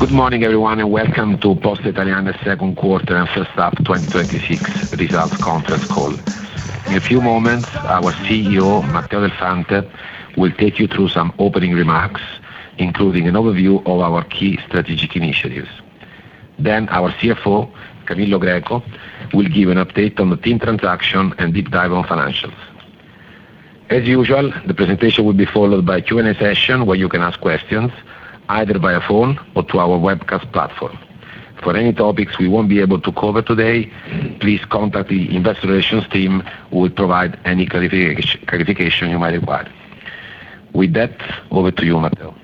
Good morning everyone, welcome to Poste Italiane second quarter and first half 2026 results conference call. In a few moments, our CEO, Matteo Del Fante, will take you through some opening remarks, including an overview of our key strategic initiatives. Our CFO, Camillo Greco, will give an update on the TIM transaction and deep dive on financials. As usual, the presentation will be followed by a Q and A session where you can ask questions either via phone or to our webcast platform. For any topics we won't be able to cover today, please contact the investor relations team, who will provide any clarification you might require. With that, over to you, Matteo.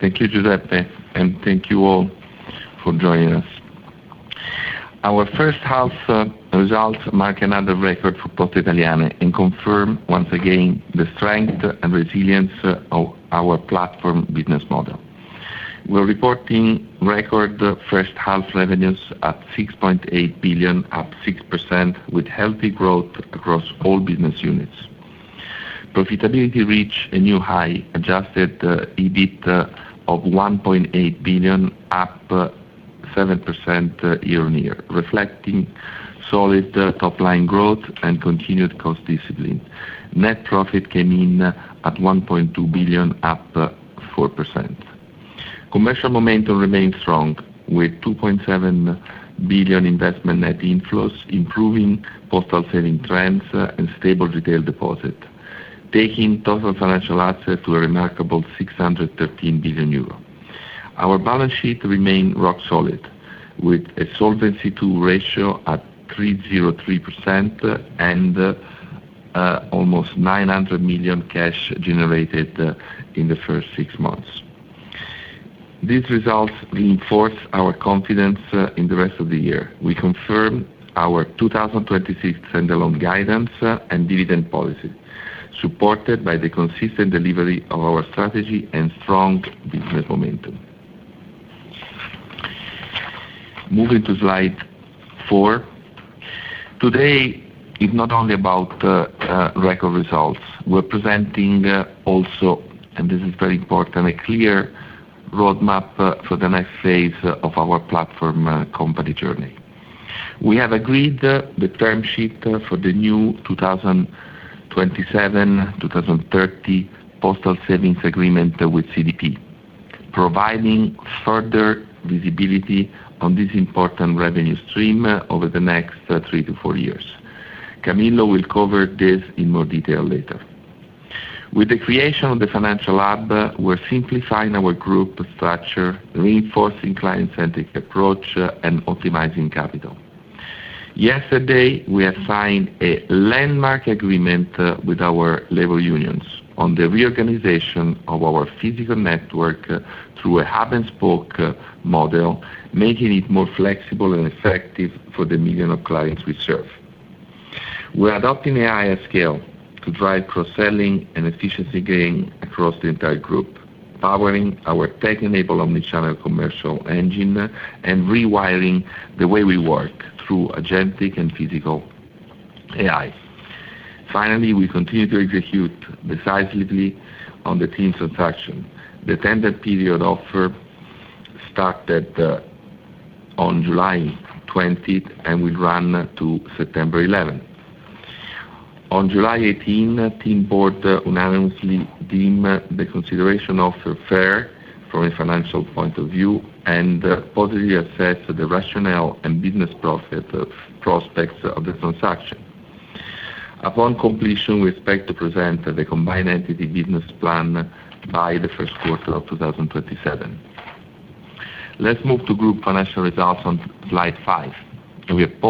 Thank you, Giuseppe, thank you all for joining us. Our first half results mark another record for Poste Italiane and confirm once again the strength and resilience of our platform business model. We're reporting record first half revenues at 6.8 billion, up 6%, with healthy growth across all business units. Profitability reached a new high, Adjusted EBIT of 1.8 billion, up 7% year-on-year, reflecting solid top-line growth and continued cost discipline. Net profit came in at 1.2 billion, up 4%. Commercial momentum remains strong with 2.7 billion investment net inflows, improving postal saving trends and stable retail deposit, taking total financial assets to a remarkable 613 billion euro. Our balance sheet remains rock solid with a Solvency II ratio at 303% and almost 900 million cash generated in the first six months. These results reinforce our confidence in the rest of the year. We confirm our 2026 standalone guidance and dividend policy, supported by the consistent delivery of our strategy and strong business momentum. Moving to slide four. Today is not only about record results. We're presenting also, this is very important, a clear roadmap for the next phase of our platform company journey. We have agreed the term sheet for the new 2027-2030 postal savings agreement with CDP, providing further visibility on this important revenue stream over the next three to four years. Camillo will cover this in more detail later. With the creation of the financial hub, we're simplifying our group structure, reinforcing client-centric approach, and optimizing capital. Yesterday, we have signed a landmark agreement with our labor unions on the reorganization of our physical network through a hub and spoke model, making it more flexible and effective for the million of clients we serve. We're adopting AI scale to drive cross-selling and efficiency gain across the entire group, powering our tech-enabled omnichannel commercial engine and rewiring the way we work through agentic and physical AI. Finally, we continue to execute decisively on the TIM transaction. The tender period offer started on July 20th and will run to September 11th. On July 18th, TIM board unanimously deemed the consideration offer fair from a financial point of view and positively assessed the rationale and business prospects of the transaction. Upon completion, we expect to present the combined entity business plan by the first quarter of 2027. Let's move to group financial results on slide five. We have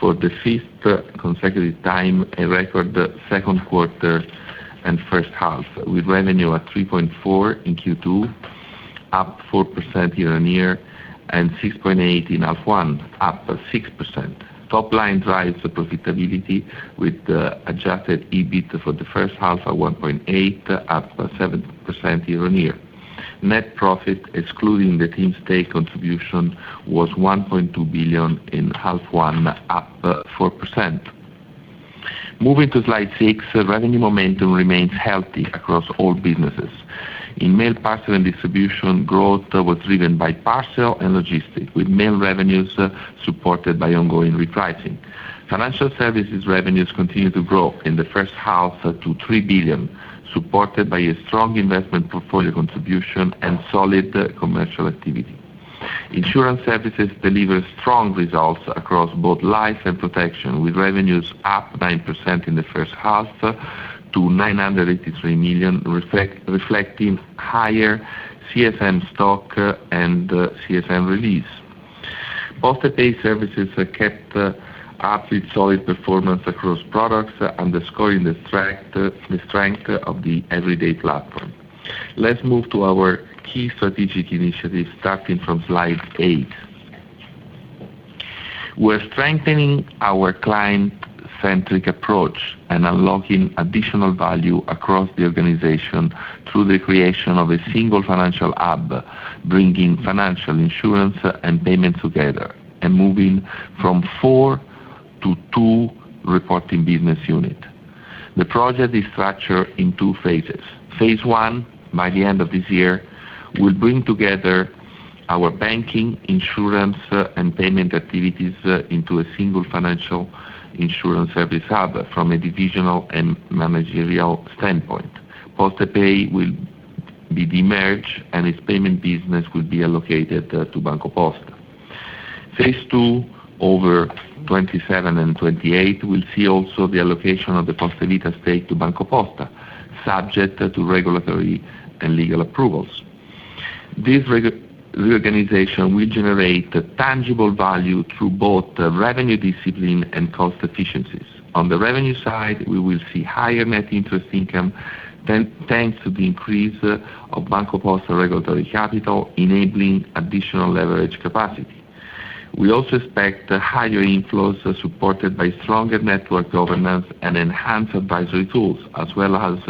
posted for the fifth consecutive time, a record second quarter and first half, with revenue at 3.4 billion in Q2, up 4% year-on-year, and 6.8 billion in half one, up 6%. Top line drives the profitability with Adjusted EBIT for the first half at 1.8 billion, up 7% year-on-year. Net profit, excluding the TIM stake contribution, was 1.2 billion in half one, up 4%. Moving to slide six, revenue momentum remains healthy across all businesses. In mail, parcel, and distribution, growth was driven by parcel and logistics, with mail revenues supported by ongoing repricing. Financial services revenues continued to grow in the first half to 3 billion, supported by a strong investment portfolio contribution and solid commercial activity. Insurance services delivered strong results across both life and protection, with revenues up 9% in the first half to 983 million, reflecting higher CSM stock and CSM release. Postepay services kept up with solid performance across products, underscoring the strength of the Everyday platform. Let's move to our key strategic initiatives starting from slide eight. We're strengthening our client-centric approach and unlocking additional value across the organization through the creation of a single financial hub, bringing financial insurance and payments together, and moving from four to two reporting business unit. The project is structured in two phases. Phase I, by the end of this year, will bring together our banking, insurance, and payment activities into a single financial insurance service hub from a divisional and managerial standpoint. Postepay will be de-merged, and its payment business will be allocated to BancoPosta. Phase II, over 2027 and 2028, will see also the allocation of the Poste Vita stake to BancoPosta, subject to regulatory and legal approvals. This reorganization will generate a tangible value through both the revenue discipline and cost efficiencies. On the revenue side, we will see higher net interest income, thanks to the increase of BancoPosta regulatory capital, enabling additional leverage capacity. We also expect higher inflows supported by stronger network governance and enhanced advisory tools, as well as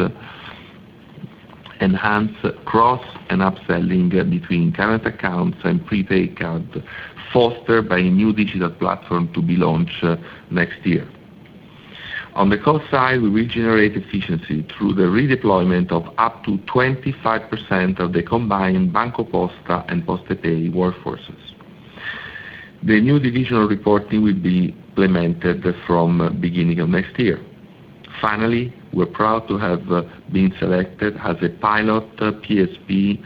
enhanced cross and upselling between current accounts and prepaid accounts, fostered by a new digital platform to be launched next year. On the cost side, we will generate efficiency through the redeployment of up to 25% of the combined BancoPosta and Postepay workforces. The new divisional reporting will be implemented from beginning of next year. Finally, we're proud to have been selected as a pilot PSP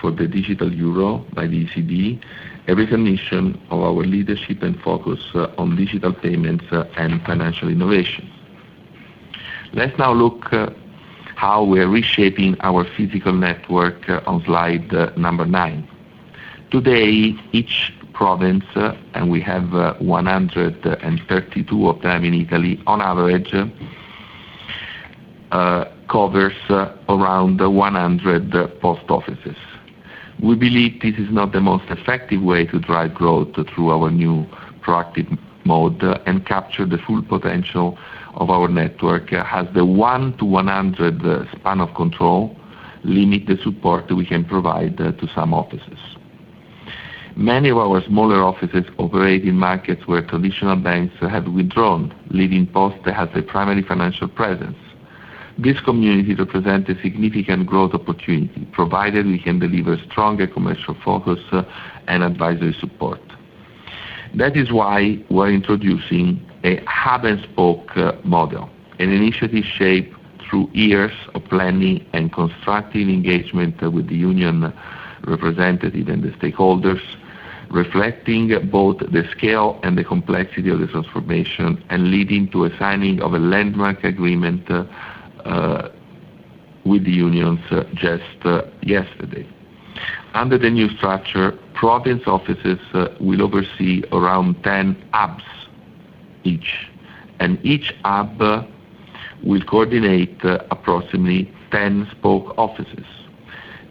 for the digital Euro by the ECB, a recognition of our leadership and focus on digital payments and financial innovations. Let's now look how we are reshaping our physical network on slide number nine. Today, each province, and we have 132 of them in Italy, on average, covers around 100 post offices. We believe this is not the most effective way to drive growth through our new proactive mode and capture the full potential of our network, as the 1 to 100 span of control limit the support we can provide to some offices. Many of our smaller offices operate in markets where traditional banks have withdrawn, leaving Poste as a primary financial presence. These communities represent a significant growth opportunity, provided we can deliver stronger commercial focus and advisory support. That is why we're introducing a hub-and-spoke model, an initiative shaped through years of planning and constructive engagement with the union representative and the stakeholders, reflecting both the scale and the complexity of this transformation, and leading to a signing of a landmark agreement with the unions just yesterday. Under the new structure, province offices will oversee around 10 hubs each, and each hub will coordinate approximately 10 spoke offices.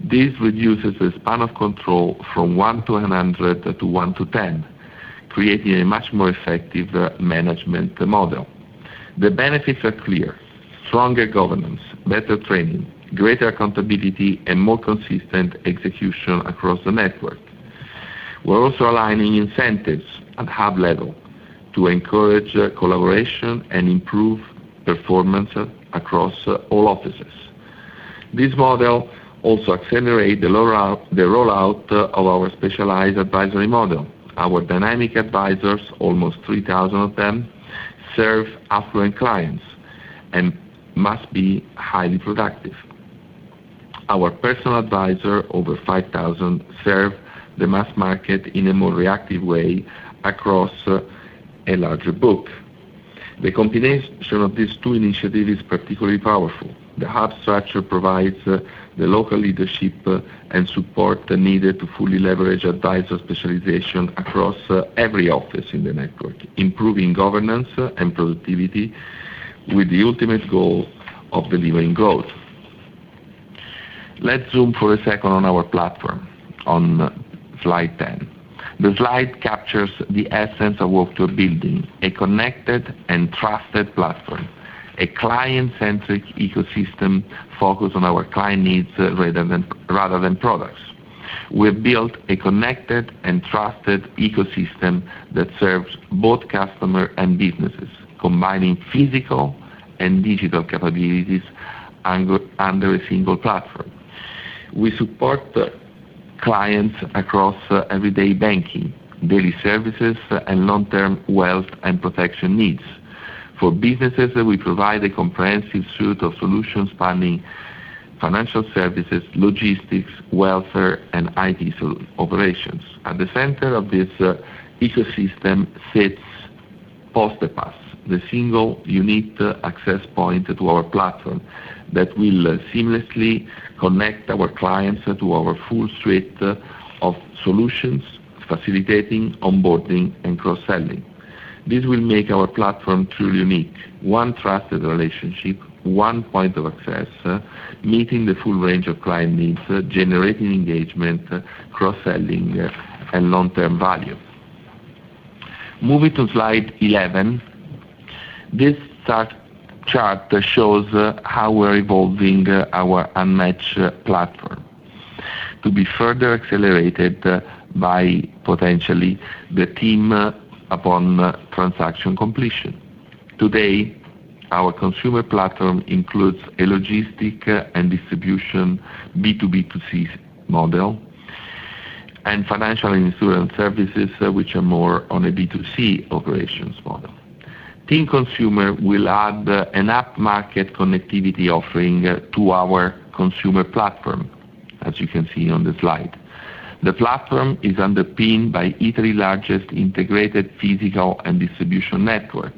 This reduces the span of control from 1 to 100 to 1 to 10, creating a much more effective management model. The benefits are clear: stronger governance, better training, greater accountability, and more consistent execution across the network. We're also aligning incentives at hub level to encourage collaboration and improve performance across all offices. This model also accelerate the rollout of our specialized advisory model. Our dynamic advisors, almost 3,000 of them, serve affluent clients, and must be highly productive. Our personal advisor, over 5,000, serve the mass market in a more reactive way across a larger book. The combination of these two initiatives is particularly powerful. The hub structure provides the local leadership and support needed to fully leverage advisor specialization across every office in the network, improving governance and productivity with the ultimate goal of delivering growth. Let's zoom for a second on our platform on slide 10. The slide captures the essence of what we're building, a connected and trusted platform, a client-centric ecosystem focused on our client needs rather than products. We've built a connected and trusted ecosystem that serves both customer and businesses, combining physical and digital capabilities under a single platform. We support clients across everyday banking, daily services, and long-term wealth and protection needs. For businesses, we provide a comprehensive suite of solutions spanning financial services, logistics, welfare, and IT solutions operations. At the center of this ecosystem sits Postepay, the single unique access point to our platform that will seamlessly connect our clients to our full suite of solutions, facilitating onboarding and cross-selling. This will make our platform truly unique. One trusted relationship, one point of access, meeting the full range of client needs, generating engagement, cross-selling, and long-term value. Moving to slide 11. This chart shows how we're evolving our unmatched platform. To be further accelerated by potentially the TIM upon transaction completion. Today, our consumer platform includes a logistic and distribution B2B2C model and financial insurance services, which are more on a B2C operations model. TIM Consumer will add an app market connectivity offering to our consumer platform, as you can see on the slide. The platform is underpinned by Italy largest integrated physical and distribution network,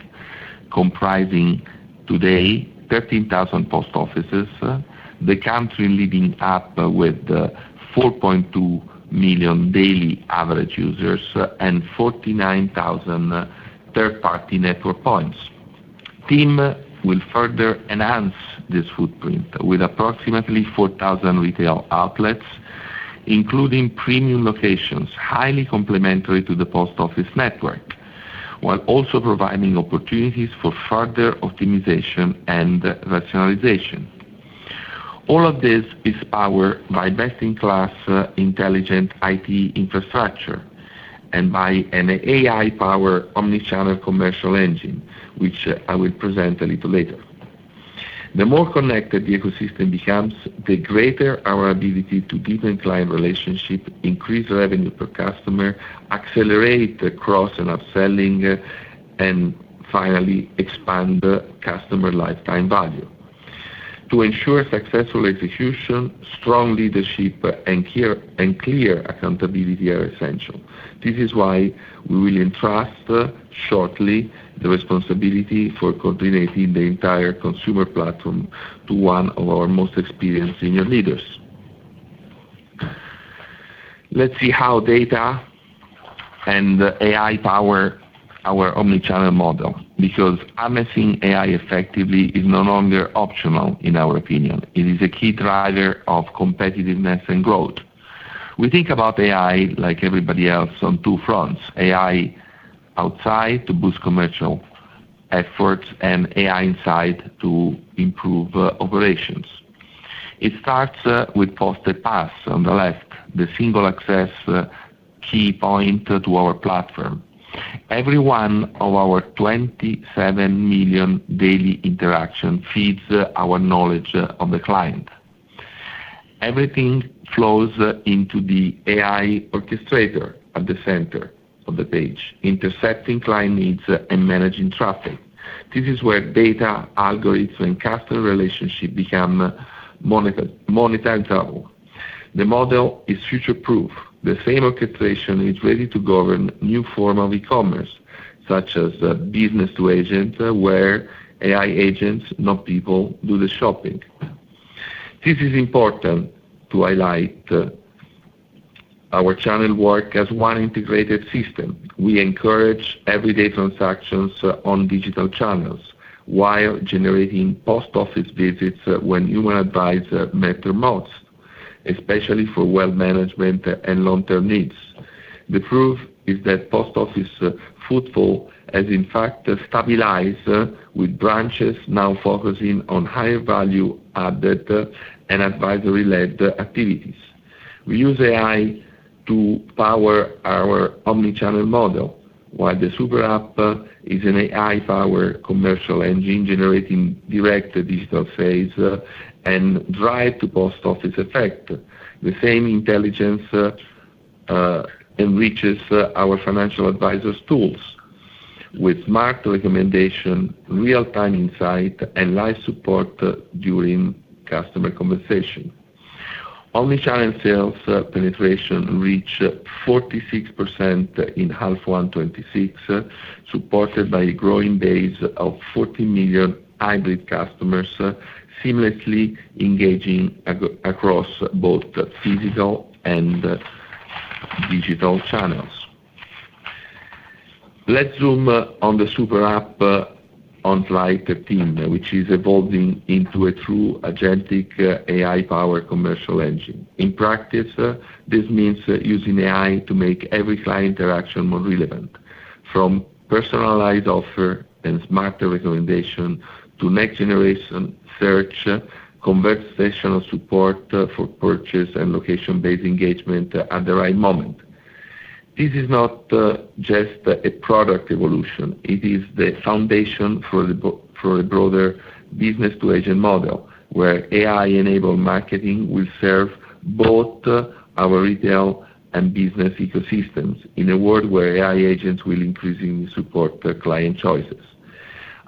comprising today 13,000 post offices, the country leading app with 4.2 million daily average users and 49,000 third-party network points. TIM will further enhance this footprint with approximately 4,000 retail outlets, including premium locations, highly complementary to the post office network, while also providing opportunities for further optimization and rationalization. All of this is powered by best-in-class intelligent IT infrastructure and by an AI-powered omnichannel commercial engine, which I will present a little later. The more connected the ecosystem becomes, the greater our ability to deepen client relationship, increase revenue per customer, accelerate the cross and upselling, and finally expand the customer lifetime value. To ensure successful execution, strong leadership, and clear accountability are essential. This is why we will entrust shortly the responsibility for coordinating the entire consumer platform to one of our most experienced senior leaders. Let's see how data and AI power our omnichannel model, because harnessing AI effectively is no longer optional, in our opinion. It is a key driver of competitiveness and growth. We think about AI like everybody else on two fronts, AI outside to boost commercial efforts and AI inside to improve operations. It starts with Postepay on the left, the single access key point to our platform. Every one of our 27 million daily interaction feeds our knowledge of the client. Everything flows into the AI orchestrator at the center of the page, intersecting client needs and managing traffic. This is where data, algorithms, and customer relationship become monetizable. The model is future-proof. The same orchestration is ready to govern new form of e-commerce, such as business to agent, where AI agents, not people, do the shopping. This is important to highlight. Our channel work as one integrated system. We encourage everyday transactions on digital channels while generating post office visits when human advice matter most, especially for wealth management and long-term needs. The proof is that post office footfall has in fact stabilized with branches now focusing on higher value added and advisory-led activities. We use AI to power our omnichannel model, while the Super App is an AI power commercial engine generating direct digital sales and drive to post office effect. The same intelligence enriches our financial advisors' tools with smart recommendation, real-time insight, and live support during customer conversation. Omnichannel sales penetration reach 46% in half one, 2026, supported by a growing base of 40 million hybrid customers seamlessly engaging across both physical and digital channels. Let's zoom on the Super App on slide TIM, which is evolving into a true agentic AI power commercial engine. In practice, this means using AI to make every client interaction more relevant, from personalized offer and smarter recommendation to next generation search, conversational support for purchase, and location-based engagement at the right moment. This is not just a product evolution, it is the foundation for a broader business to agent model, where AI-enabled marketing will serve both our retail and business ecosystems in a world where AI agents will increasingly support client choices.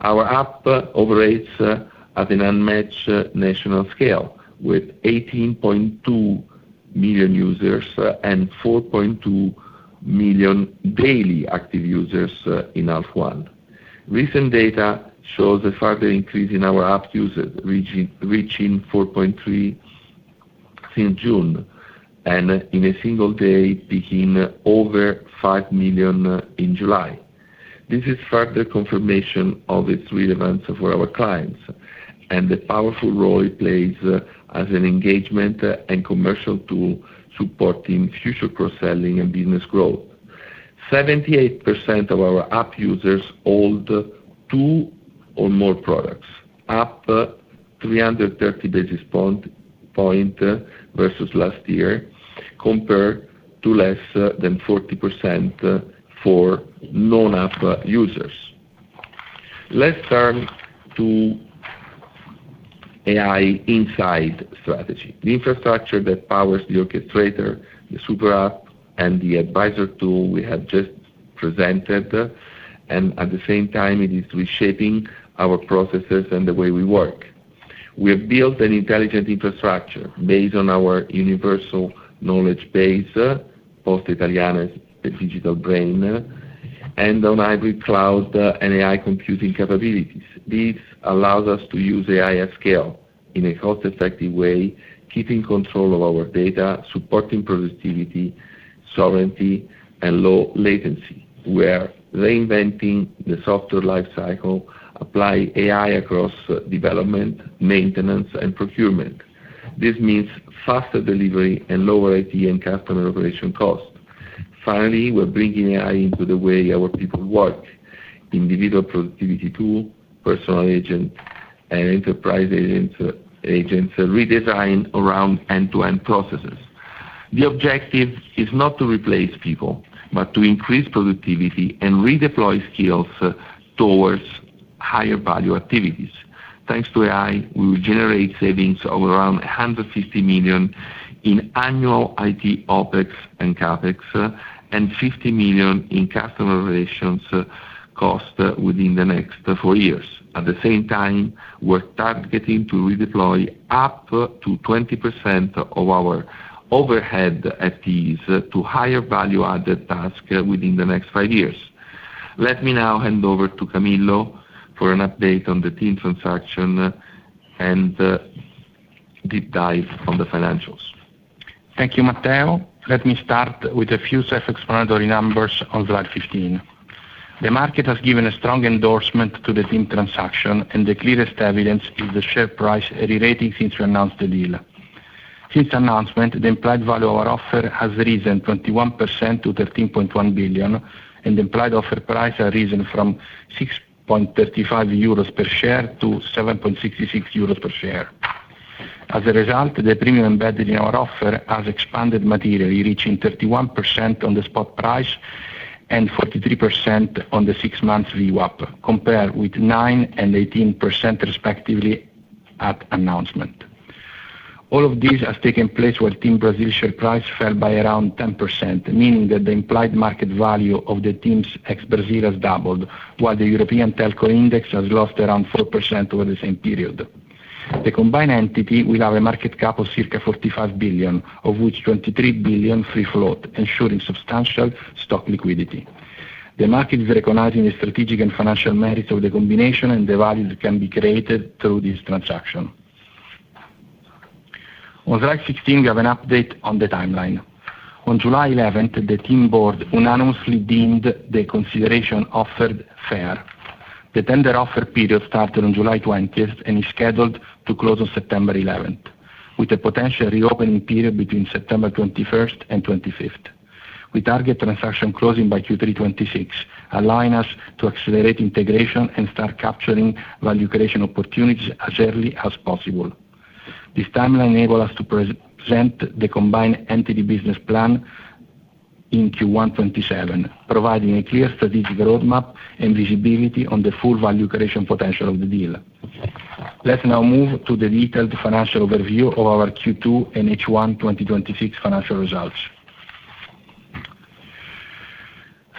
Our app operates at an unmatched national scale with 18.2 million users and 4.2 million daily active users in half one. Recent data shows a further increase in our app users, reaching 4.3 since June, and in a single day, peaking over 5 million in July. This is further confirmation of its relevance for our clients and the powerful role it plays as an engagement and commercial tool supporting future cross-selling and business growth. 78% of our app users hold two or more products, up 330 basis points versus last year, compared to less than 40% for non-app users. Let's turn to AI inside strategy, the infrastructure that powers the orchestrator, the Super App, and the advisor tool we have just presented, and at the same time, it is reshaping our processes and the way we work. We have built an intelligent infrastructure based on our universal knowledge base, Poste Italiane's digital brain, and on hybrid cloud and AI computing capabilities. This allows us to use AI at scale in a cost-effective way, keeping control of our data, supporting productivity, sovereignty, and low latency. We are reinventing the software lifecycle, apply AI across development, maintenance, and procurement. This means faster delivery and lower IT and customer operation costs. Finally, we're bringing AI into the way our people work. Individual productivity tool, personal agent, and enterprise agents are redesigned around end-to-end processes. The objective is not to replace people, but to increase productivity and redeploy skills towards higher value activities. Thanks to AI, we will generate savings of around 150 million in annual IT OpEx and CapEx, and 50 million in customer relations cost within the next four years. At the same time, we are targeting to redeploy up to 20% of our overhead FTEs to higher value-added task within the next five years. Let me now hand over to Camillo for an update on the TIM transaction and deep dive on the financials. Thank you, Matteo. Let me start with a few self-explanatory numbers on slide 15. The market has given a strong endorsement to the TIM transaction. The clearest evidence is the share price rerating since we announced the deal. Since announcement, the implied value of our offer has risen 21% to 13.1 billion. The implied offer price has risen from 6.35 euros per share to 7.66 euros per share. As a result, the premium embedded in our offer has expanded materially, reaching 31% on the spot price and 43% on the six months view up, compared with 9% and 18% respectively at announcement. All of this has taken place while TIM Brasil share price fell by around 10%, meaning that the implied market value of the TIM ex Brasil has doubled, while the European Telco index has lost around 4% over the same period. The combined entity will have a market cap of circa 45 billion, of which 23 billion free float, ensuring substantial stock liquidity. The market is recognizing the strategic and financial merits of the combination and the value that can be created through this transaction. On slide 16, we have an update on the timeline. On July 11th, the TIM board unanimously deemed the consideration offered fair. The tender offer period started on July 20th and is scheduled to close on September 11th, with a potential reopening period between September 21st and 25th. We target transaction closing by Q3 2026, allowing us to accelerate integration and start capturing value creation opportunities as early as possible. This timeline enable us to present the combined entity business plan in Q1 2027, providing a clear strategic roadmap and visibility on the full value creation potential of the deal. Let's now move to the detailed financial overview of our Q2 and H1 2026 financial results.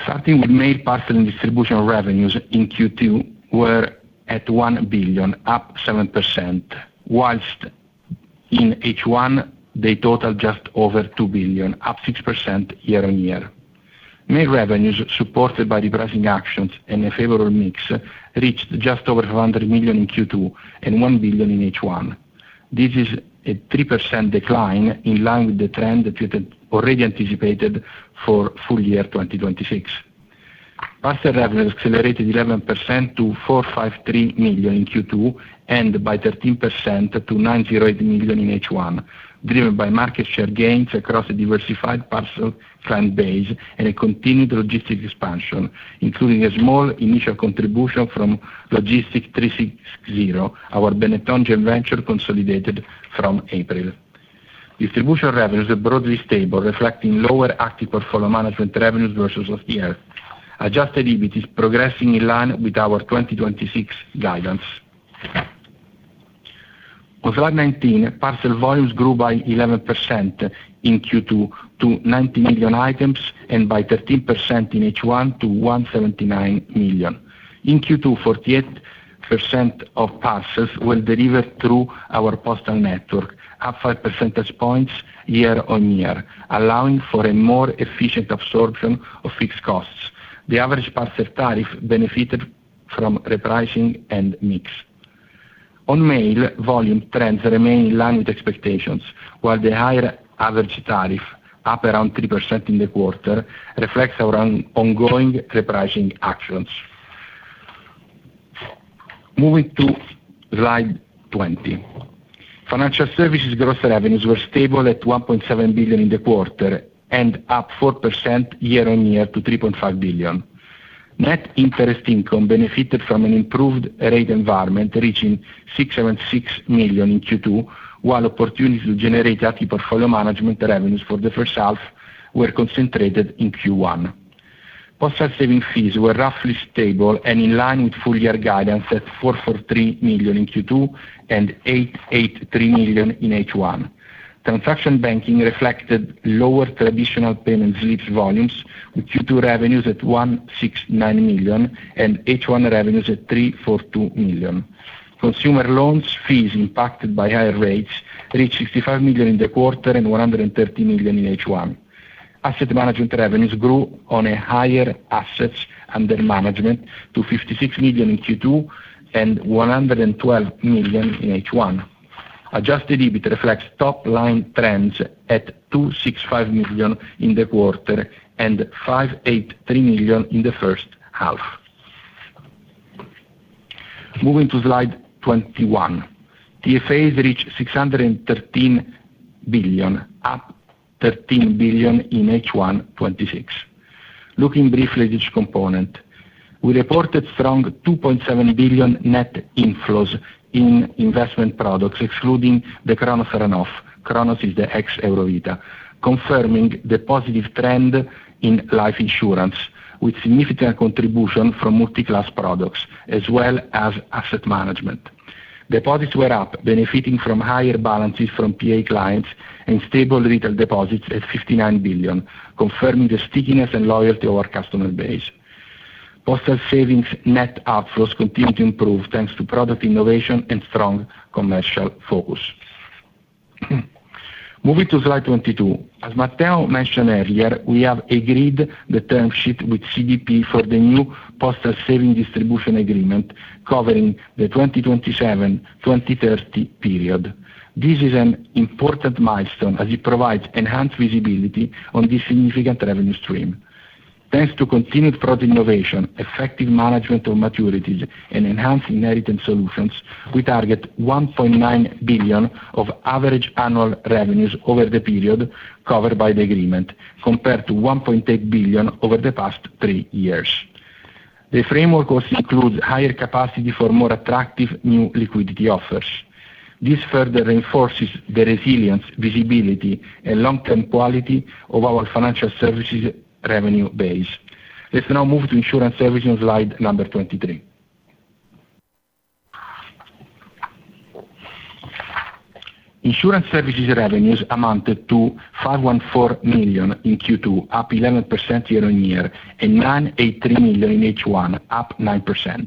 Starting with mail, parcel, and distribution revenues in Q2 were at 1 billion, up 7%, whilst in H1, they totaled just over 2 billion, up 6% year-on-year. Mail revenues, supported by repricing actions and a favorable mix, reached just over 100 million in Q2 and 1 billion in H1. This is a 3% decline in line with the trend that we had already anticipated for full year 2026. Parcel revenues accelerated 11% to 453 million in Q2 and by 13% to 908 million in H1, driven by market share gains across a diversified parcel client base and a continued logistic expansion, including a small initial contribution from Logistic 360, our Benetton joint venture consolidated from April. Distribution revenues are broadly stable, reflecting lower active portfolio management revenues versus last year. Adjusted EBIT is progressing in line with our 2026 guidance. On slide 19, parcel volumes grew by 11% in Q2 to 90 million items and by 13% in H1 to 179 million. In Q2, 48% of parcels were delivered through our postal network, up five percentage points year-on-year, allowing for a more efficient absorption of fixed costs. The average parcel tariff benefited from repricing and mix. On mail, volume trends remain in line with expectations, while the higher average tariff, up around 3% in the quarter, reflects our ongoing repricing actions. Moving to slide 20. financial services gross revenues were stable at 1.7 billion in the quarter and up 4% year-on-year to 3.5 billion. Net interest income benefited from an improved rate environment, reaching 606 million in Q2, while opportunities to generate active portfolio management revenues for the first half were concentrated in Q1. Postal savings fees were roughly stable and in line with full year guidance at 443 million in Q2 and 883 million in H1. Transaction banking reflected lower traditional payments lifts volumes, with Q2 revenues at 169 million and H1 revenues at 342 million. Consumer loans fees impacted by higher rates reached 65 million in the quarter and 130 million in H1. Asset management revenues grew on a higher assets under management to 56 million in Q2 and 112 million in H1. Adjusted EBIT reflects top line trends at 265 million in the quarter and 583 million in the first half. Moving to slide 21. TFAs reached 613 billion, up 13 billion in H1 2026. Looking briefly at each component. We reported strong 2.7 billion net inflows in investment products, excluding the Cronos run-off. Cronos is the ex-Eurovita. Confirming the positive trend in life insurance with significant contribution from multi-class products as well as Asset management. Deposits were up, benefiting from higher balances from PA clients and stable retail deposits at 59 billion, confirming the stickiness and loyalty of our customer base. Postal savings net outflows continue to improve thanks to product innovation and strong commercial focus. Moving to slide 22. As Matteo mentioned earlier, we have agreed the term sheet with CDP for the new Postal savings distribution agreement covering the 2027-2030 period. This is an important milestone as it provides enhanced visibility on this significant revenue stream. Thanks to continued product innovation, effective management of maturities, and enhanced inheritance solutions, we target 1.9 billion of average annual revenues over the period covered by the agreement, compared to 1.8 billion over the past three years. The framework also includes higher capacity for more attractive new liquidity offers. This further reinforces the resilience, visibility and long-term quality of our financial services revenue base. Let's now move to insurance services on slide number 23. Insurance services revenues amounted to 514 million in Q2, up 11% year-on-year, and 983 million in H1, up 9%.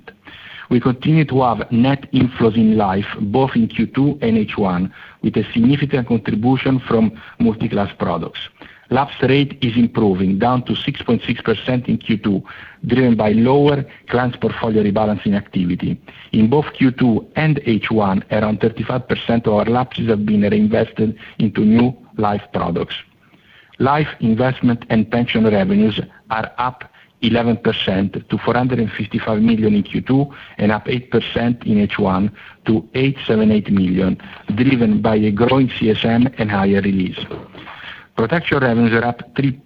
We continue to have net inflows in Life, both in Q2 and H1, with a significant contribution from multi-class products. Lapse rate is improving, down to 6.6% in Q2, driven by lower clients portfolio rebalancing activity. In both Q2 and H1, around 35% of our lapses have been reinvested into new Life products. Life investment and pension revenues are up 11% to 455 million in Q2 and up 8% in H1 to 878 million, driven by a growing CSM and higher release. Protection revenues are up 13%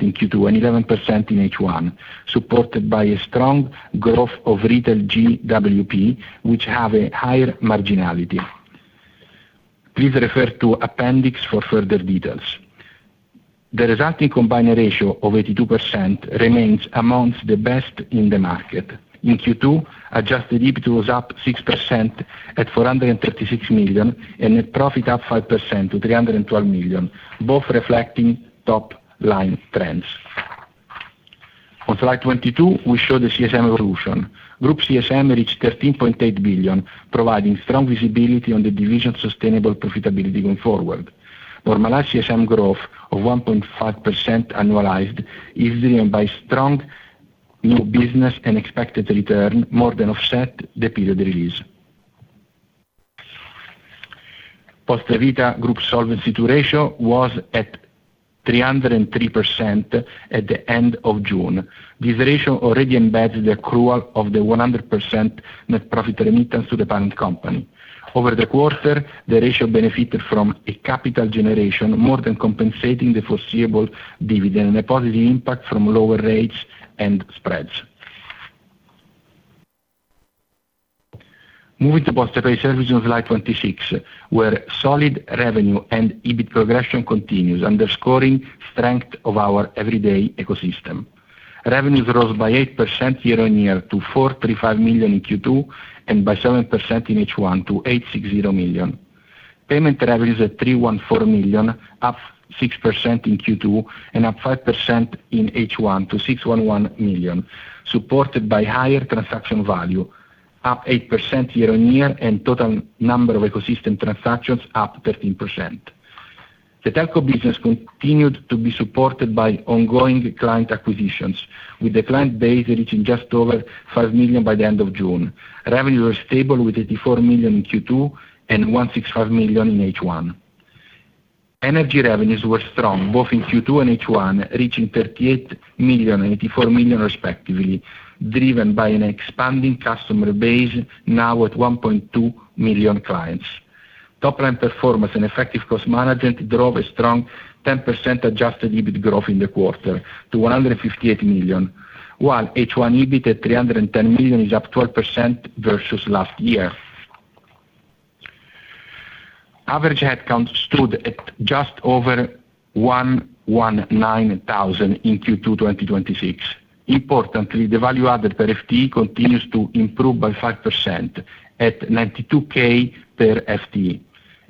in Q2 and 11% in H1, supported by a strong growth of retail GWP, which have a higher marginality. Please refer to appendix for further details. The resulting combined ratio of 82% remains amongst the best in the market. In Q2, Adjusted EBIT was up 6% at 436 million and net profit up 5% to 312 million, both reflecting top line trends. On slide 22, we show the CSM evolution. Group CSM reached 13.8 billion, providing strong visibility on the division's sustainable profitability going forward. Normalized CSM growth of 1.5% annualized is driven by strong new business and expected return, more than offset the period release. Poste Vita Group Solvency ratio was at 303% at the end of June. This ratio already embeds the accrual of the 100% net profit remittance to the parent company. Over the quarter, the ratio benefited from a capital generation, more than compensating the foreseeable dividend, a positive impact from lower rates and spreads. Moving to Postepay services on slide 26, where solid revenue and EBIT progression continues, underscoring strength of our everyday ecosystem. Revenues rose by 8% year-on-year to 435 million in Q2 and by 7% in H1 to 860 million. Payment revenues at 314 million, up 6% in Q2 and up 5% in H1 to 611 million, supported by higher transaction value, up 8% year-on-year and total number of ecosystem transactions up 13%. The Telco business continued to be supported by ongoing client acquisitions, with the client base reaching just over 5 million by the end of June. Revenues were stable, with 84 million in Q2 and 165 million in H1. Energy revenues were strong both in Q2 and H1, reaching 38 million and 84 million respectively, driven by an expanding customer base now at 1.2 million clients. Top-line performance and effective cost management drove a strong 10% Adjusted EBIT growth in the quarter to 158 million, while H1 EBIT at 310 million is up 12% versus last year. Average headcount stood at just over 119,000 in Q2 2026. Importantly, the value added per FTE continues to improve by 5% at 92K per FTE.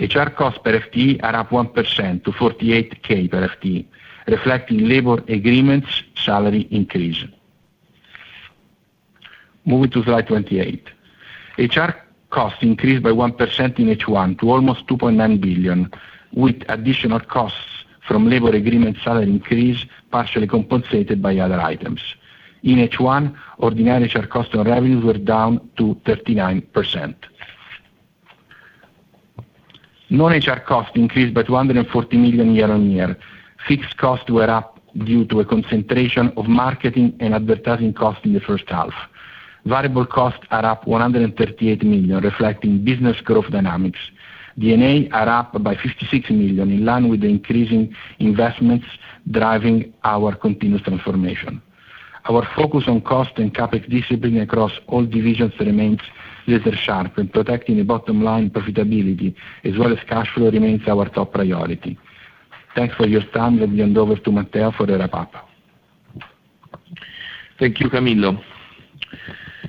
HR costs per FTE are up 1% to 48K per FTE, reflecting labor agreements salary increase. Moving to slide 28. HR costs increased by 1% in H1 to almost 2.9 billion, with additional costs from labor agreement salary increase partially compensated by other items. In H1, ordinary HR customer revenues were down to 39%. Non-HR costs increased by 240 million year-on-year. Fixed costs were up due to a concentration of marketing and advertising costs in the first half. Variable costs are up 138 million, reflecting business growth dynamics. D&A are up by 56 million, in line with the increasing investments driving our continuous transformation. Our focus on cost and CapEx discipline across all divisions remains laser sharp when protecting the bottom line profitability, as well as cash flow remains our top priority. Thanks for your time. Let me hand over to Matteo for the wrap-up. Thank you, Camillo.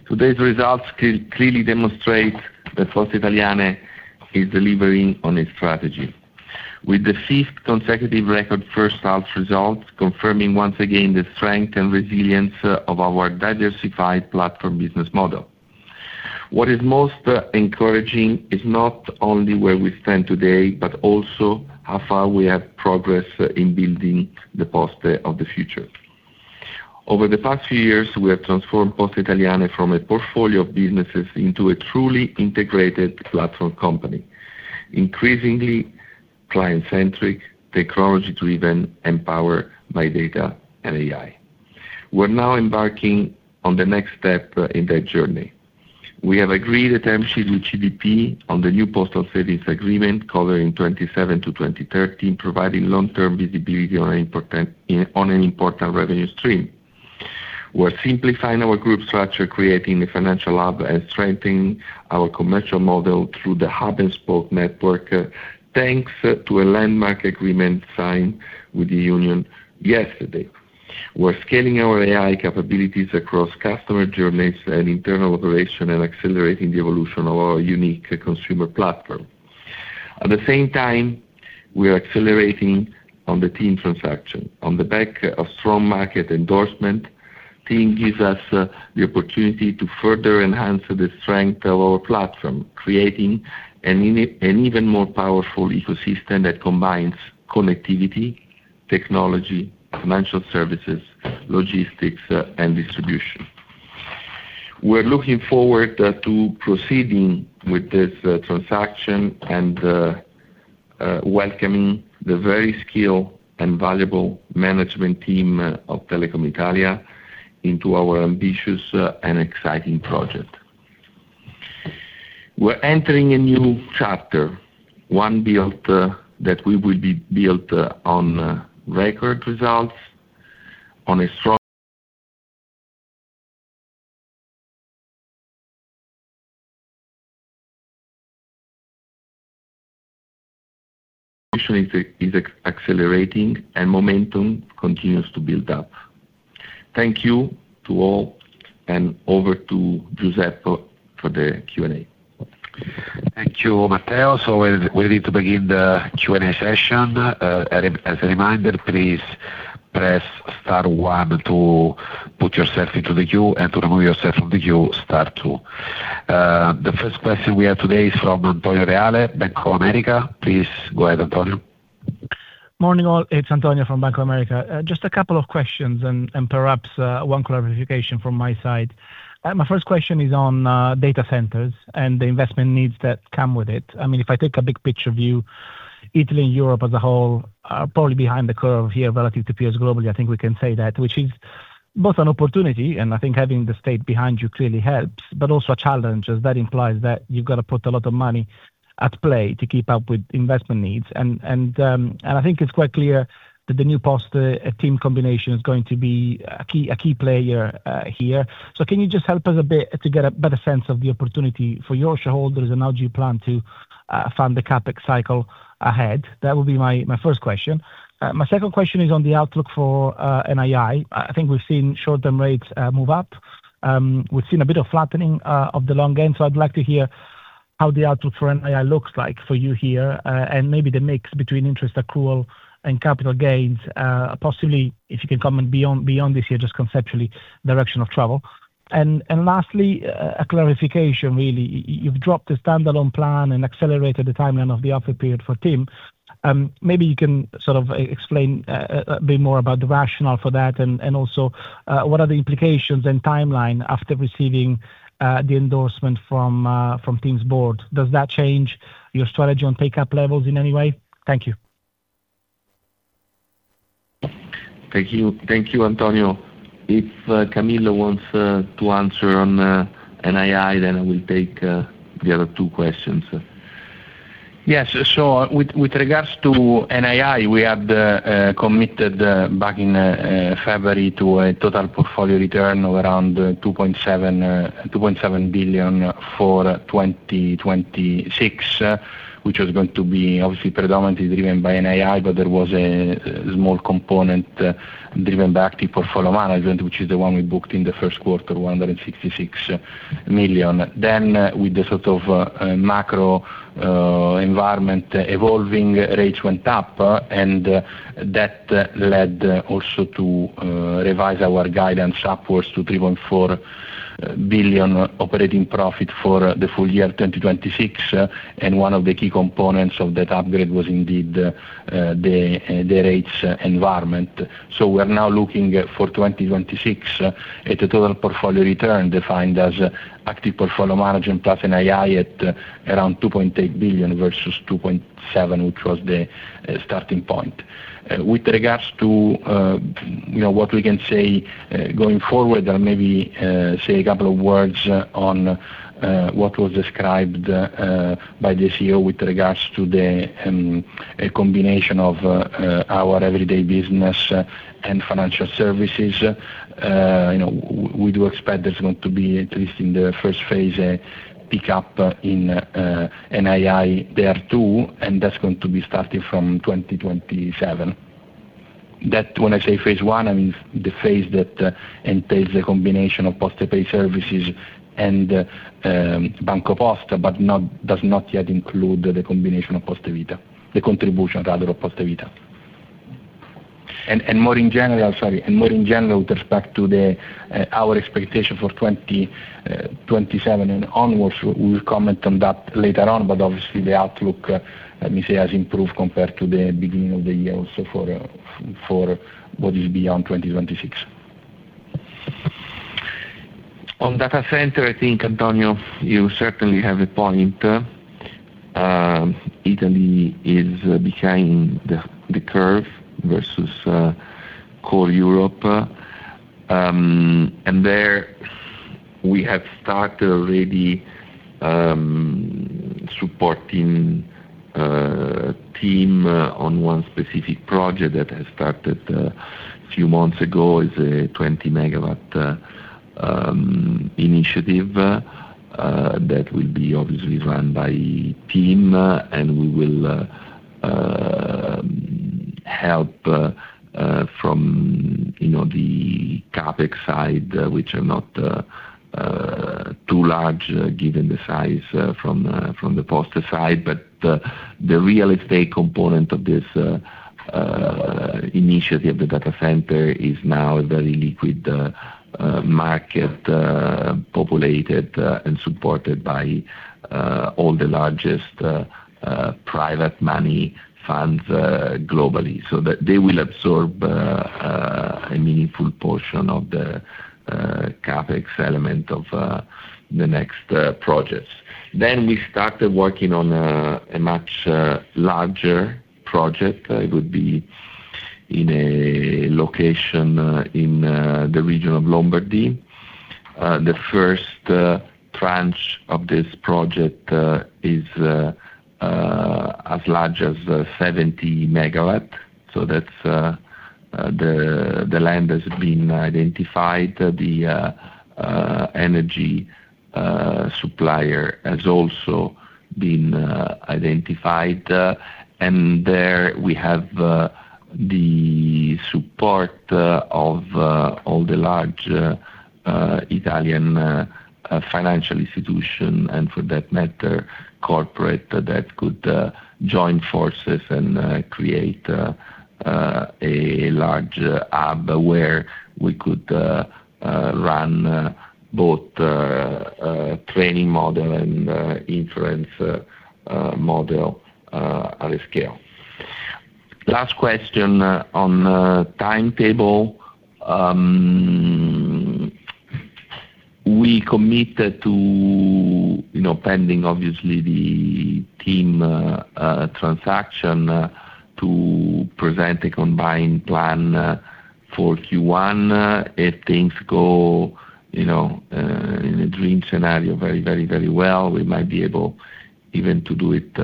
Today's results clearly demonstrate that Poste Italiane is delivering on its strategy. With the fifth consecutive record first half results, confirming once again the strength and resilience of our diversified platform business model. What is most encouraging is not only where we stand today, but also how far we have progressed in building the Poste of the future. Over the past few years, we have transformed Poste Italiane from a portfolio of businesses into a truly integrated platform company, increasingly client-centric, technology-driven, empowered by data and AI. We're now embarking on the next step in that journey. We have agreed a term sheet with CDP on the new postal service agreement covering 2027 to 2030, providing long-term visibility on an important revenue stream. We're simplifying our group structure, creating a financial hub, and strengthening our commercial model through the hub-and-spoke network, thanks to a landmark agreement signed with the union yesterday. We're scaling our AI capabilities across customer journeys and internal operation and accelerating the evolution of our unique consumer platform. At the same time, we are accelerating on the TIM transaction. On the back of strong market endorsement, TIM gives us the opportunity to further enhance the strength of our platform, creating an even more powerful ecosystem that combines connectivity, technology, financial services, logistics, and distribution. We're looking forward to proceeding with this transaction and welcoming the very skilled and valuable management team of Telecom Italia into our ambitious and exciting project. We're entering a new chapter, one that will be built on record results, on a strong is accelerating, and momentum continues to build up. Thank you to all, over to Giuseppe for the Q and A. Thank you, Matteo. We're ready to begin the Q and A session. As a reminder, please press star one to put yourself into the queue, and to remove yourself from the queue, star two. The first question we have today is from Antonio Reale, Bank of America. Please go ahead, Antonio. Morning, all. It's Antonio from Bank of America. Just a couple of questions and perhaps one clarification from my side. My first question is on data centers and the investment needs that come with it. If I take a big picture view, Italy and Europe as a whole are probably behind the curve here relative to peers globally, I think we can say that, which is both an opportunity, and I think having the state behind you clearly helps, but also a challenge, as that implies that you've got to put a lot of money at play to keep up with investment needs. I think it's quite clear that the new Poste TIM combination is going to be a key player here. Can you just help us a bit to get a better sense of the opportunity for your shareholders and how do you plan to fund the CapEx cycle ahead? That would be my first question. My second question is on the outlook for NII. I think we've seen short-term rates move up. We've seen a bit of flattening of the long end. I'd like to hear how the outlook for NII looks like for you here, and maybe the mix between interest accrual and capital gains, possibly if you can comment beyond this year, just conceptually, direction of travel. Lastly, a clarification, really. You've dropped the standalone plan and accelerated the timeline of the offer period for TIM. Maybe you can explain a bit more about the rationale for that and also what are the implications and timeline after receiving the endorsement from TIM's board. Does that change your strategy on take-up levels in any way? Thank you. Thank you, Antonio. If Camillo wants to answer on NII, then I will take the other two questions. Yes. With regards to NII, we had committed back in February to a total portfolio return of around 2.7 billion for 2026, which was going to be obviously predominantly driven by NII, but there was a small component driven by active portfolio management, which is the one we booked in the first quarter, 166 million. Then with the sort of macro environment evolving, rates went up and that led also to revise our guidance upwards to 3.4 billion operating profit for the full year 2026. One of the key components of that upgrade was indeed the rates environment. We are now looking for 2026 at a total portfolio return defined as active portfolio management plus NII at around 2.8 billion versus 2.7, which was the starting point. With regards to what we can say going forward, or maybe say a couple of words on what was described by the CEO with regards to the combination of our everyday business and financial services. We do expect there's going to be, at least in the first phase, a pickup in NII there too, and that's going to be starting from 2027. That when I say phase I, I mean the phase that entails the combination of Postepay services and BancoPosta, but does not yet include the combination of Poste Vita, the contribution rather of Poste Vita. More in general with respect to our expectation for 2027 and onwards, we will comment on that later on, but obviously the outlook, let me say, has improved compared to the beginning of the year also for what is beyond 2026. On data center, I think, Antonio, you certainly have a point. Italy is behind the curve versus core Europe. There we have started already supporting a TIM on one specific project that has started a few months ago. It's a 20 MW initiative that will be obviously run by the TIM, and we will help from the CapEx side, which are not too large given the size from the Poste side. The real estate component of this initiative, the data center, is now a very liquid market populated and supported by all the largest private money funds globally, so that they will absorb a meaningful portion of the CapEx element of the next projects. We started working on a much larger project. It would be in a location in the region of Lombardy. The first tranche of this project is as large as 70 MW. The land has been identified, the energy supplier has also been identified, and there we have the support of all the large Italian financial institution, and for that matter, corporate that could join forces and create a large hub where we could run both training model and inference model at scale. Last question on timetable. We committed to pending obviously the TIM transaction to present a combined plan for Q1. If things go in a dream scenario very well, we might be able even to do it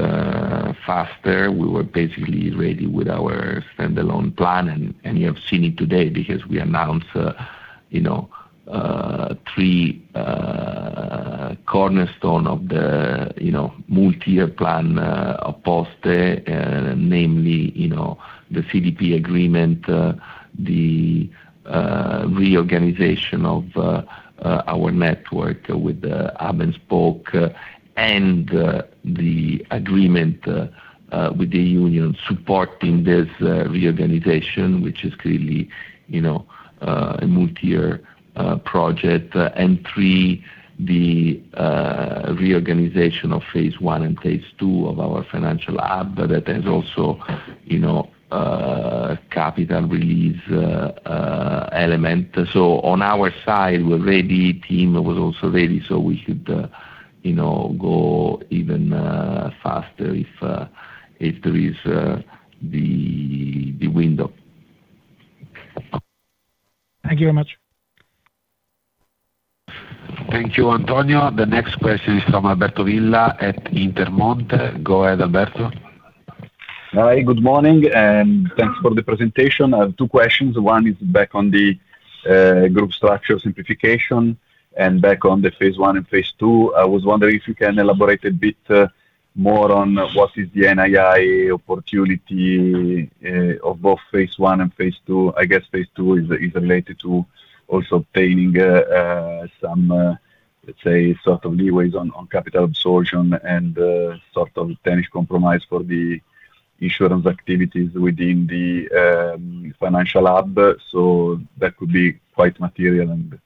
faster. We were basically ready with our standalone plan, and you have seen it today because we announced three cornerstone of the multi-year plan of Poste, namely, the CDP agreement, the reorganization of our network with the hub and spoke, and the agreement with the union supporting this reorganization, which is clearly a multi-year project. Three, the reorganization of phase I and phase II of our financial hub that has also a capital release element. On our side, we're ready. Team was also ready, so we could go even faster if there is the window. Thank you very much. Thank you, Antonio. The next question is from Alberto Villa at Intermonte. Go ahead, Alberto. Hi, good morning, thanks for the presentation. I have two questions. One is back on the group structure simplification and back on the phase I and phase II. I was wondering if you can elaborate a bit more on what is the NII opportunity of both phase I and phase II. I guess phase II is related to also obtaining some, let's say, sort of leeway on capital absorption and sort of Danish Compromise for the insurance activities within the financial hub. That could be quite material, and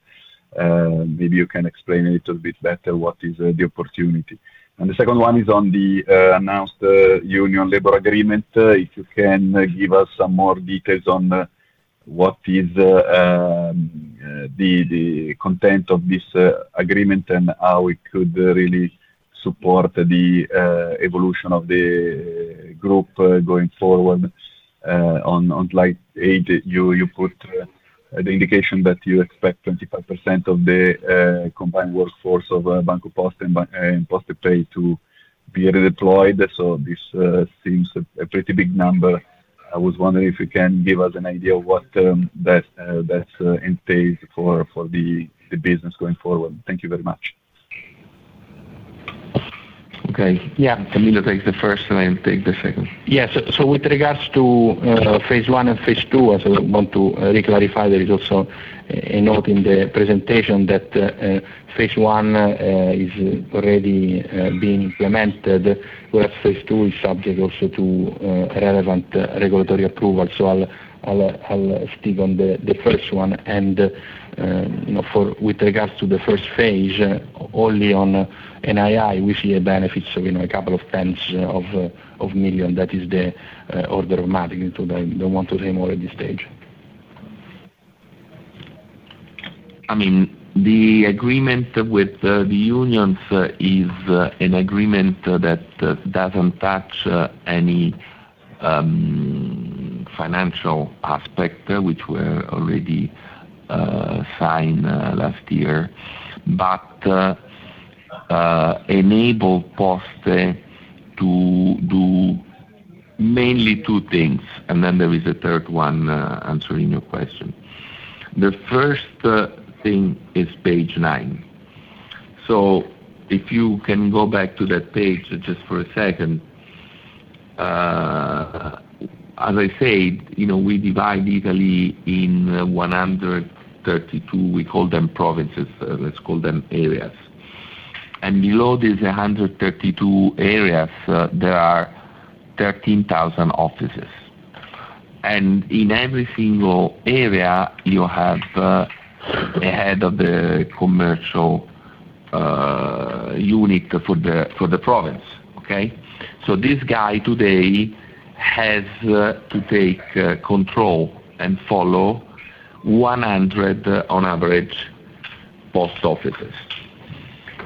maybe you can explain a little bit better what is the opportunity. The second one is on the announced union labor agreement. If you can give us some more details on what is the content of this agreement and how it could really support the evolution of the group going forward. On slide eight, you put the indication that you expect 25% of the combined workforce of BancoPosta and Postepay to be redeployed. This seems a pretty big number. I was wondering if you can give us an idea of what that entails for the business going forward. Thank you very much. Okay. Camillo takes the first. I will take the second. Yes. With regards to phase I and phase II, I want to reclarify, there is also a note in the presentation that phase I is already being implemented, whereas phase II is subject also to relevant regulatory approval. I'll stick on the first one. With regards to the first phase, only on NII, we see a benefit, a couple of tens of millions. That is the order of magnitude. I don't want to name more at this stage. The agreement with the unions is an agreement that doesn't touch any financial aspect, which were already signed last year. Enable Poste to do mainly two things. Then there is a third one answering your question. The first thing is page nine. If you can go back to that page just for a second. As I said, we divide Italy in 132, we call them provinces, let's call them areas. Below these 132 areas, there are 13,000 offices. In every single area, you have a head of the commercial unit for the province. Okay? This guy today has to take control and follow 100, on average, post offices.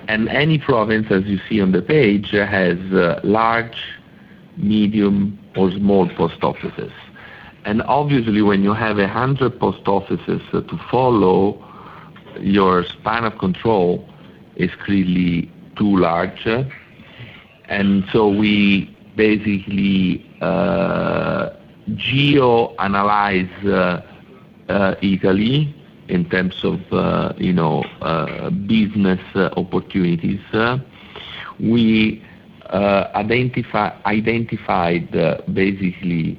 Any province, as you see on the page, has large, medium, or small post offices. Obviously, when you have 100 post offices to follow, your span of control is clearly too large. We basically geoanalyze Italy in terms of business opportunities. We identified basically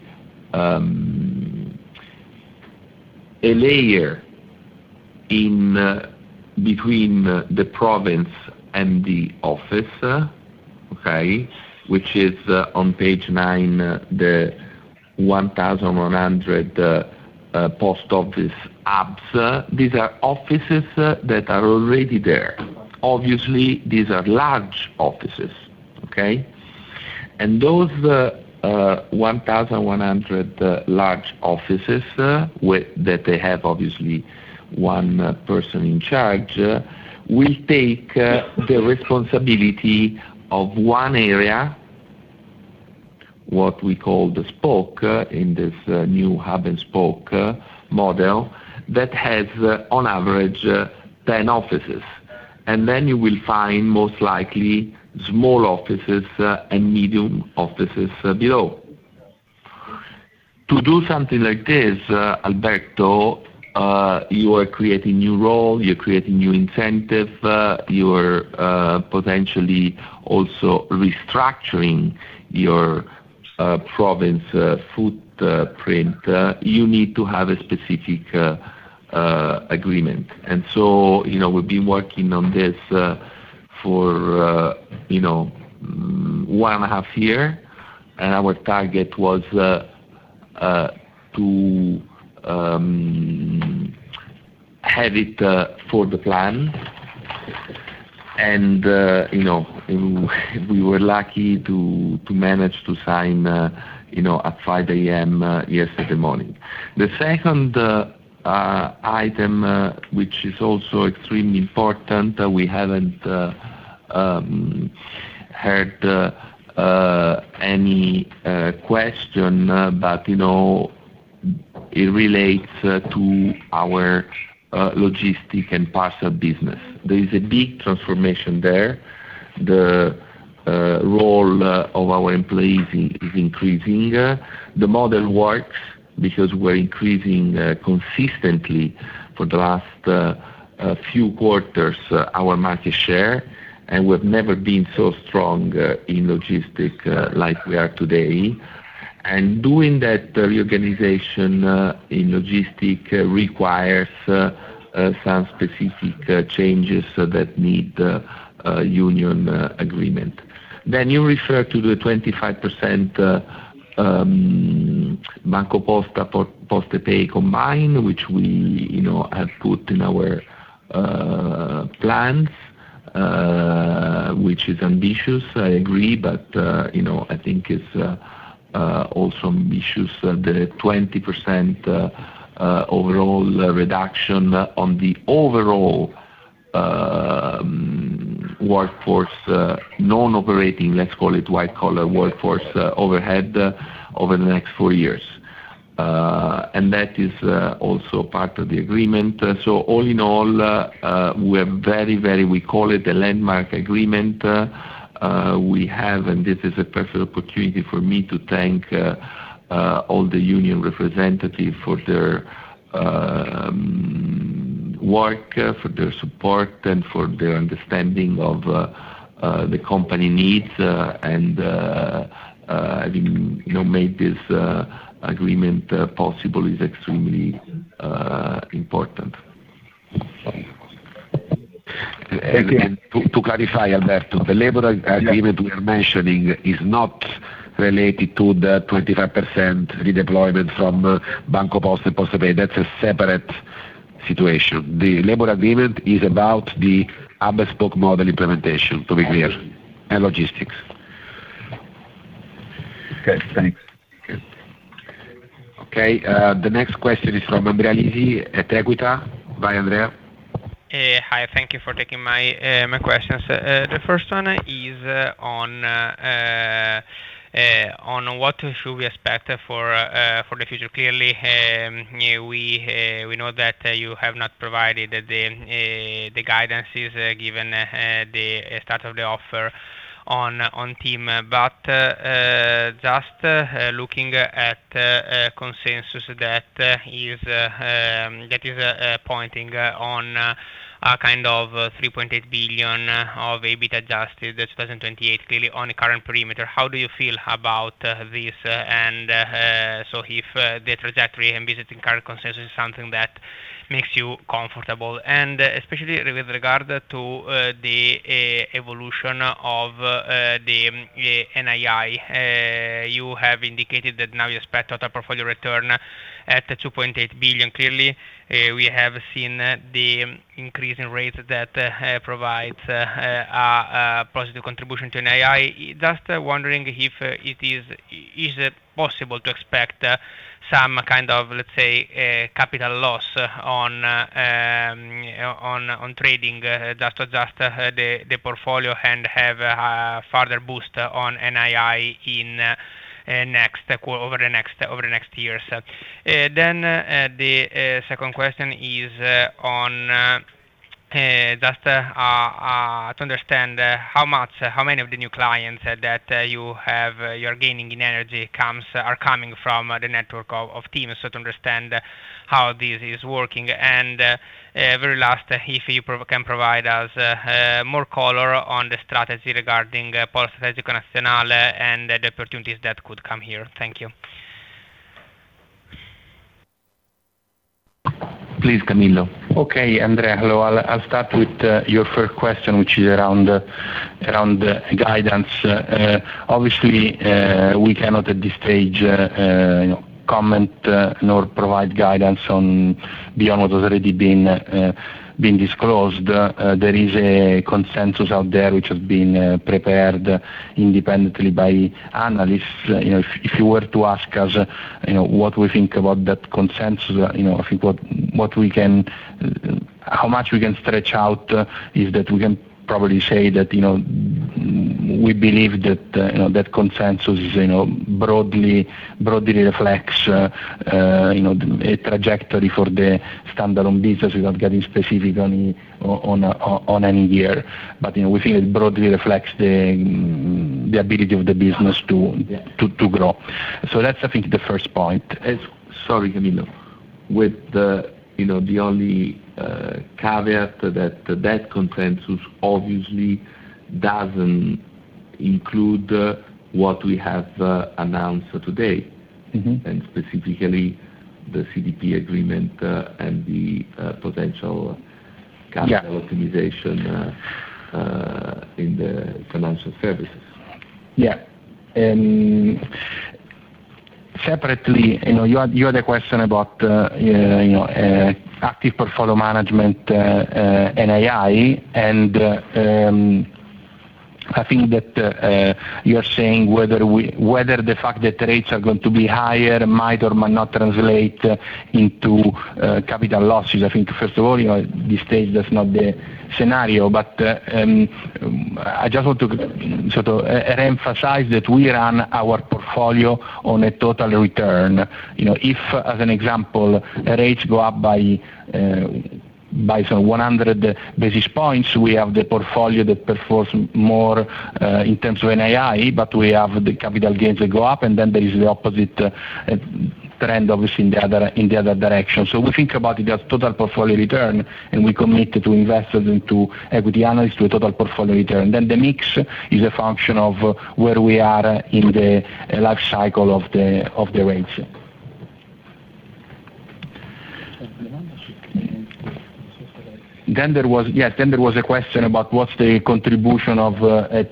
a layer in between the province and the office. Okay. Which is on page nine, the 1,100 post office hubs. These are offices that are already there. Obviously, these are large offices. Okay. Those 1,100 large offices that they have, obviously, one person in charge will take the responsibility of one area, what we call the spoke in this new hub and spoke model, that has on average 10 offices. Then you will find most likely small offices and medium offices below. To do something like this, Alberto, you're creating new role, you're creating new incentive, you are potentially also restructuring your province footprint. You need to have a specific agreement. We've been working on this for one and a half year, our target was to have it for the plan, and we were lucky to manage to sign at 5:00 A.M. yesterday morning. The second item, which is also extremely important, we haven't heard any question, but it relates to our logistic and parcel business. There is a big transformation there. The role of our employees is increasing. The model works because we're increasing consistently for the last few quarters our market share, and we've never been so strong in logistic, like we are today. Doing that reorganization in logistic requires some specific changes that need union agreement. You refer to the 25% BancoPosta/Postepay combined, which we have put in our plans, which is ambitious, I agree, but I think it's also ambitious the 20% overall reduction on the overall workforce, non-operating, let's call it white collar workforce overhead over the next four years. That is also part of the agreement. All in all, we are very, very, we call it a landmark agreement. We have, and this is a perfect opportunity for me to thank all the union representative for their work, for their support, and for their understanding of the company needs, and having made this agreement possible is extremely important. Thank you. To clarify, Alberto, the labor agreement we are mentioning is not related to the 25% redeployment from BancoPosta and Postepay. That's a separate situation. The labor agreement is about the hub-and-spoke model implementation, to be clear, and logistics. Okay, thanks. Okay. Okay. The next question is from Andrea Lisi at Equita. Hi, Andrea. Hi, thank you for taking my questions. The first one is on what should we expect for the future. Clearly, we know that you have not provided the guidances given the start of the offer on TIM. Just looking at consensus that is pointing on a kind of 3.8 billion of EBIT Adjusted 2028 clearly on a current perimeter, how do you feel about this? If the trajectory and visiting current consensus is something that makes you comfortable, and especially with regard to the evolution of the NII. You have indicated that now you expect total portfolio return at 2.8 billion, clearly. We have seen the increase in rates that provides a positive contribution to NII. Just wondering if it is possible to expect some kind of, let's say, capital loss on trading just to adjust the portfolio and have a further boost on NII over the next years. The second question is on just to understand how many of the new clients that you're gaining in energy are coming from the network of TIM. To understand how this is working. Very last, if you can provide us more color on the strategy regarding Polo Strategico Nazionale and the opportunities that could come here. Thank you. Please, Camillo. Okay, Andrea. Hello. I'll start with your first question, which is around the guidance. Obviously, we cannot at this stage comment nor provide guidance on beyond what has already been disclosed. There is a consensus out there which has been prepared independently by analysts. If you were to ask us what we think about that consensus, how much we can stretch out is that we can probably say that we believe that consensus broadly reflects a trajectory for the standalone business without getting specific on any year. We think it broadly reflects the ability of the business to grow. That's, I think, the first point. Sorry, Camillo. With the only caveat that that consensus obviously doesn't include what we have announced today. Specifically the CDP agreement, and the potential capital optimization in the financial services. Separately, you had a question about active portfolio management, NII, and I think that you are saying whether the fact that rates are going to be higher might or might not translate into capital losses. I think, first of all, at this stage, that's not the scenario. I just want to sort of reemphasize that we run our portfolio on a total return. If, as an example, rates go up by some 100 basis points, we have the portfolio that performs more in terms of an AI, we have the capital gains that go up, and then there is the opposite trend, obviously, in the other direction. We think about it as total portfolio return, and we commit to investors and to equity analysts to a total portfolio return. The mix is a function of where we are in the life cycle of the rates. There was a question about what's the contribution of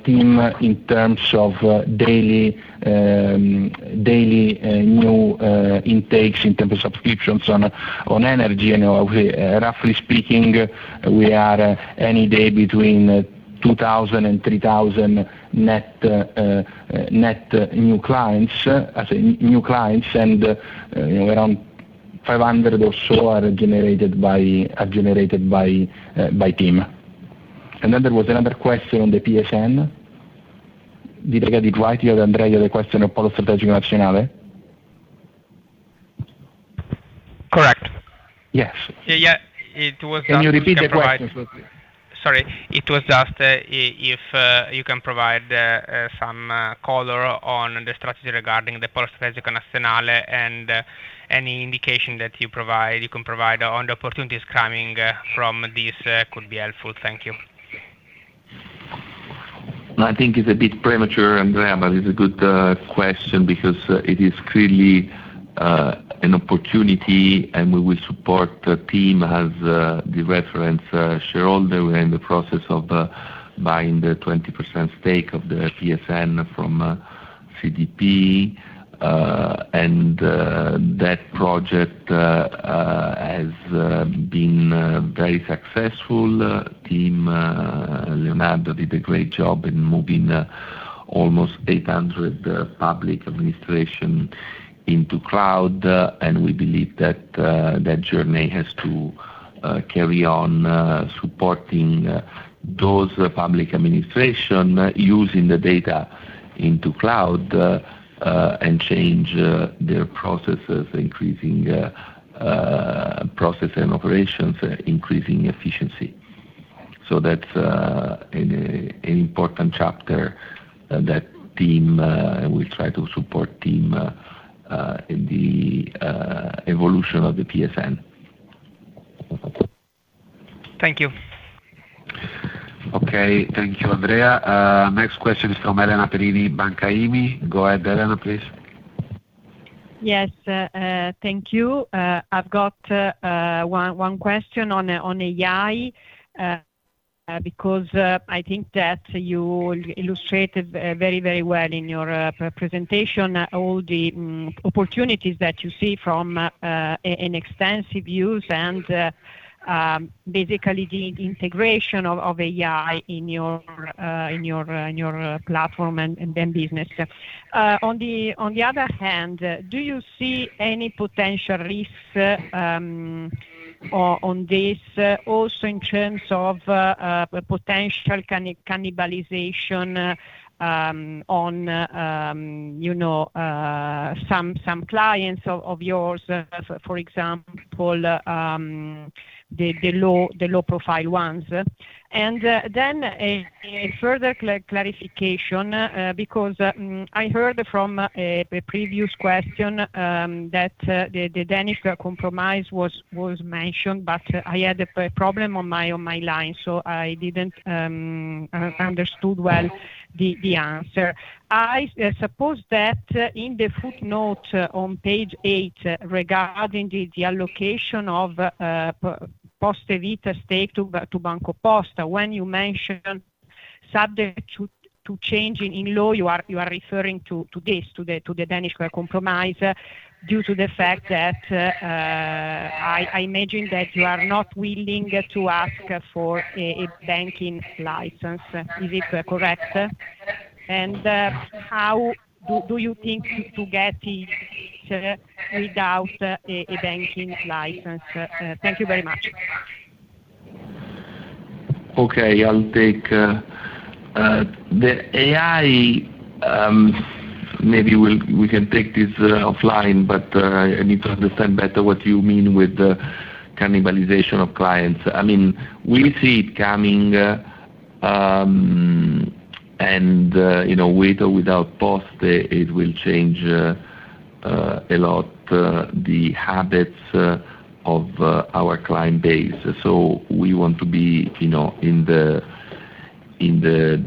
TIM in terms of daily new intakes, in terms of subscriptions on energy. Roughly speaking, we are any day between 2,000 and 3,000 net new clients. Around 500 or so are generated by TIM. There was another question on the PSN. Did I get it right, Andrea, the question of Poste Italiane? Correct. Yes. Yeah. It was just- Can you repeat the question? Sorry. It was just if you can provide some color on the strategy regarding the Poste Italiane. Any indication that you can provide on the opportunities coming from this could be helpful. Thank you. I think it's a bit premature, Andrea, but it's a good question because it is clearly an opportunity, and we will support the TIM as the reference shareholder. We're in the process of buying the 20% stake of the PSN from CDP. That project has been very successful. TIM Leonardo did a great job in moving almost 800 Public Administration into cloud. We believe that that journey has to carry on supporting those Public Administration using the data into cloud, and change their processes, increasing process and operations, increasing efficiency. That's an important chapter that we try to support TIM in the evolution of the PSN. Thank you. Okay. Thank you, Andrea. Next question is from Elena Perini, Banca Ifis. Go ahead, Elena, please. Yes. Thank you. I've got one question on AI, because I think that you illustrated very well in your presentation all the opportunities that you see from an extensive use and basically the integration of AI in your platform and business. On the other hand, do you see any potential risks on this also in terms of potential cannibalization on some clients of yours, for example, the low-profile ones? A further clarification, because I heard from a previous question that the Danish Compromise was mentioned, but I had a problem on my line, so I didn't understand well the answer. I suppose that in the footnote on page eight regarding the allocation of Poste Vita stake to BancoPosta, when you mentioned subject to change in law, you are referring to this, to the Danish Compromise, due to the fact that I imagine that you are not willing to ask for a banking license. Is it correct? How do you think to get it without a banking license? Thank you very much. Okay, I'll take the AI, maybe we can take this offline, but I need to understand better what you mean with the cannibalization of clients. We see it coming, and with or without Poste, it will change a lot the habits of our client base. We want to be in the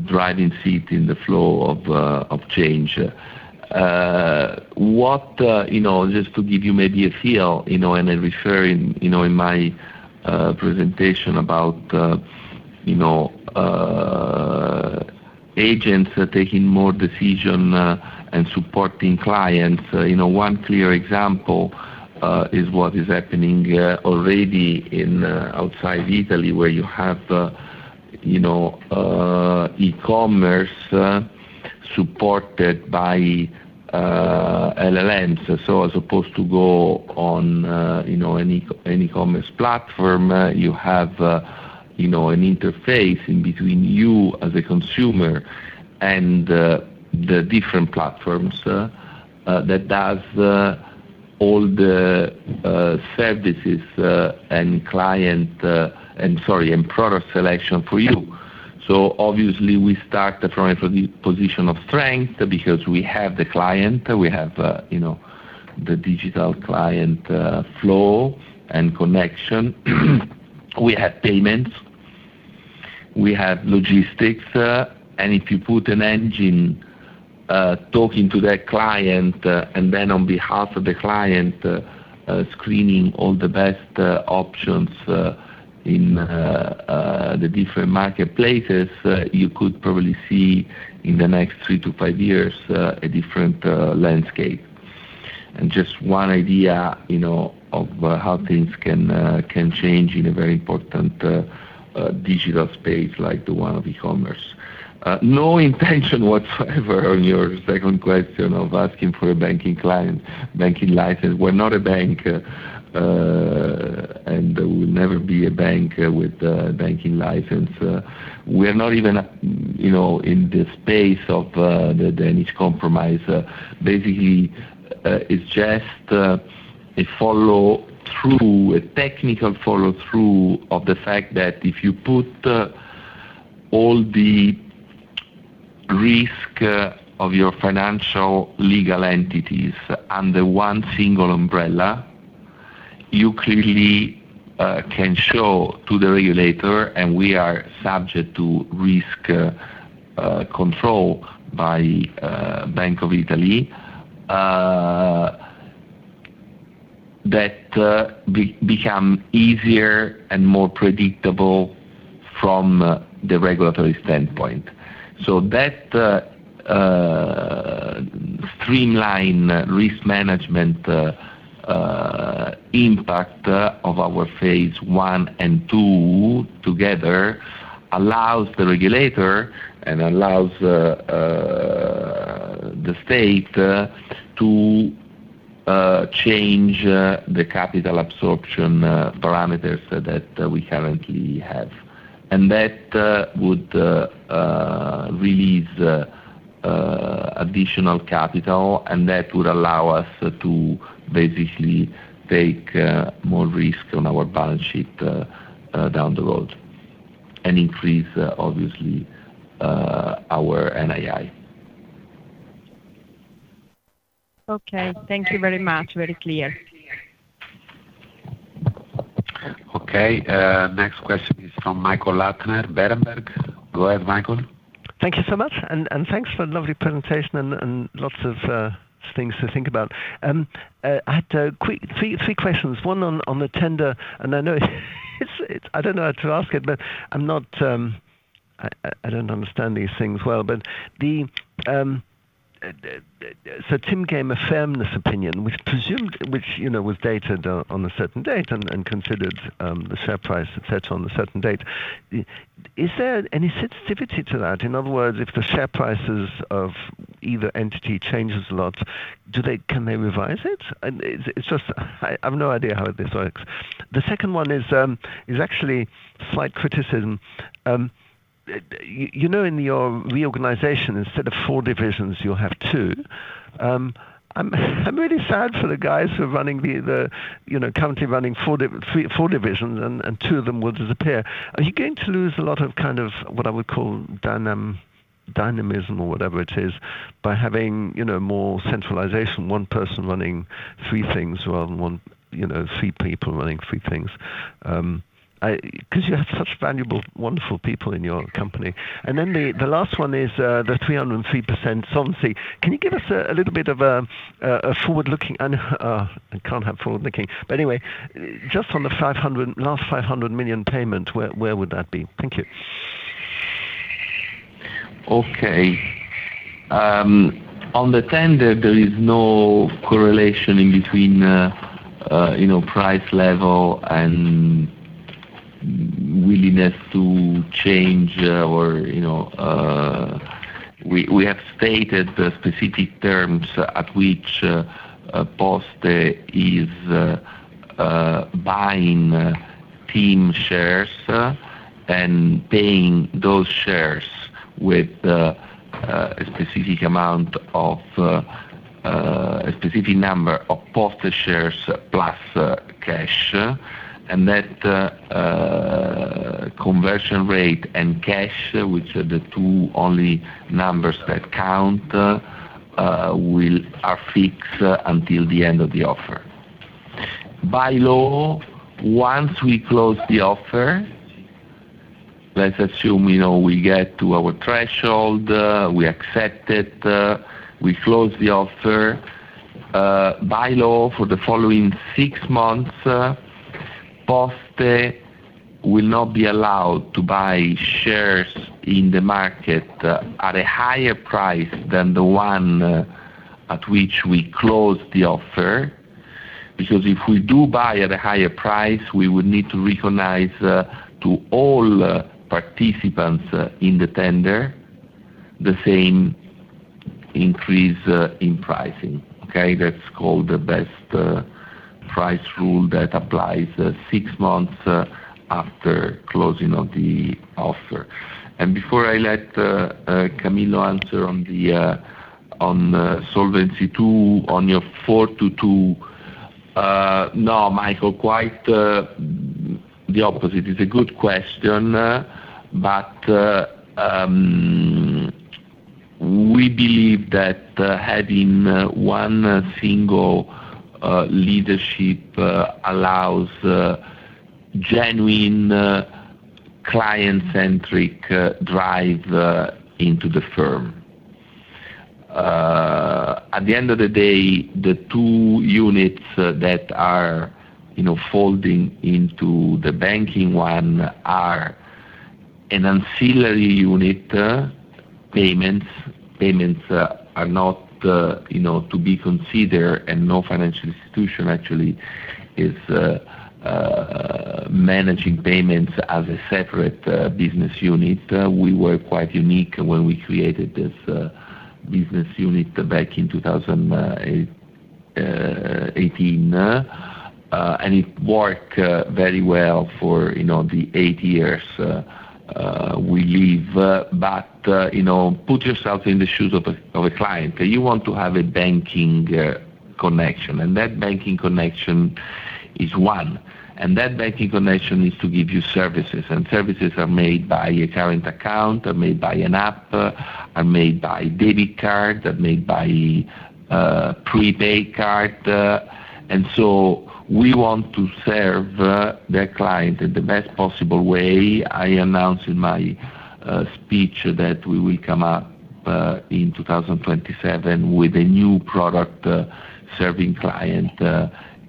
driving seat, in the flow of change. Just to give you maybe a feel, and I refer in my presentation about agents taking more decisions and supporting clients. One clear example is what is happening already outside Italy, where you have e-commerce supported by LLMs. As opposed to go on any e-commerce platform, you have an interface in between you as a consumer and the different platforms that do all the services and product selection for you. Obviously, we start from a position of strength because we have the client, we have the digital client flow and connection. We have payments. We have logistics. If you put an engine talking to that client, and then on behalf of the client, screening all the best options in the different marketplaces, you could probably see in the next three to five years, a different landscape. Just one idea of how things can change in a very important digital space like the one of e-commerce. No intention whatsoever on your second question of asking for a banking license. We're not a bank. We will never be a bank with a banking license. We are not even in the space of the Danish Compromise. Basically, it's just a technical follow-through of the fact that if you put all the risk of your financial legal entities under one single umbrella, you clearly can show to the regulator, and we are subject to risk control by Bank of Italy that become easier and more predictable from the regulatory standpoint. That streamline risk management impact of our phase I and II together allows the regulator and allows the state to change the capital absorption parameters that we currently have. That would release additional capital, and that would allow us to basically take more risk on our balance sheet down the road, and increase, obviously, our NII. Okay. Thank you very much. Very clear. Okay. Next question is from Michael Huttner, Berenberg. Go ahead, Michael. Thank you so much. Thanks for the lovely presentation and lots of things to think about. I had three questions, one on the tender. I don't know how to ask it, but I don't understand these things well. TIM gave a fairness opinion, which was dated on a certain date and considered the share price, et cetera, on a certain date. Is there any sensitivity to that? In other words, if the share prices of either entity changes a lot, can they revise it? It's just, I have no idea how this works. The second one is actually slight criticism. You know in your reorganization, instead of four divisions, you'll have two. I'm really sad for the guys who are currently running four divisions, and two of them will disappear. Are you going to lose a lot of what I would call dynamism, or whatever it is, by having more centralization, one person running three things rather than three people running three things? You have such valuable, wonderful people in your company. The last one is the 303% SOMSI. Can you give us a little bit of a forward-looking I can't have forward-looking, but anyway, just on the last 500 million payment, where would that be? Thank you. Okay. On the tender, there is no correlation in between price level and willingness to change or we have stated the specific terms at which Poste is buying TIM shares and paying those shares with a specific number of Poste shares plus cash. That conversion rate and cash, which are the two only numbers that count, are fixed until the end of the offer. By law, once we close the offer, let's assume we get to our threshold, we accept it, we close the offer. By law, for the following six months Poste will not be allowed to buy shares in the market at a higher price than the one at which we closed the offer, because if we do buy at a higher price, we would need to recognize to all participants in the tender the same increase in pricing. Okay? That's called the best price rule that applies six months after closing of the offer. Before I let Camillo answer on the Solvency II on your four to two. No, Michael, quite the opposite. It's a good question, but we believe that having one single leadership allows genuine client-centric drive into the firm. At the end of the day, the two units that are folding into the banking one are an ancillary unit, payments. Payments are not to be considered, and no financial institution actually is managing payments as a separate business unit. We were quite unique when we created this business unit back in 2018. It worked very well for the eight years we live. Put yourself in the shoes of a client. You want to have a banking connection, and that banking connection is one, and that banking connection is to give you services. Services are made by a current account, are made by an app, are made by debit card, are made by prepaid card. We want to serve the client in the best possible way. I announced in my speech that we will come up in 2027 with a new product serving client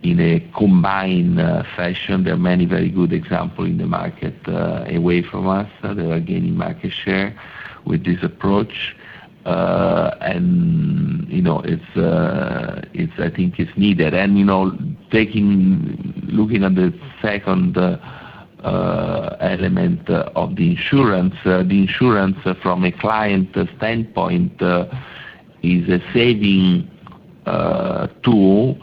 in a combined fashion. There are many very good example in the market away from us. They are gaining market share with this approach. I think it's needed. Looking at the second element of the insurance, the insurance from a client standpoint, is a saving tool,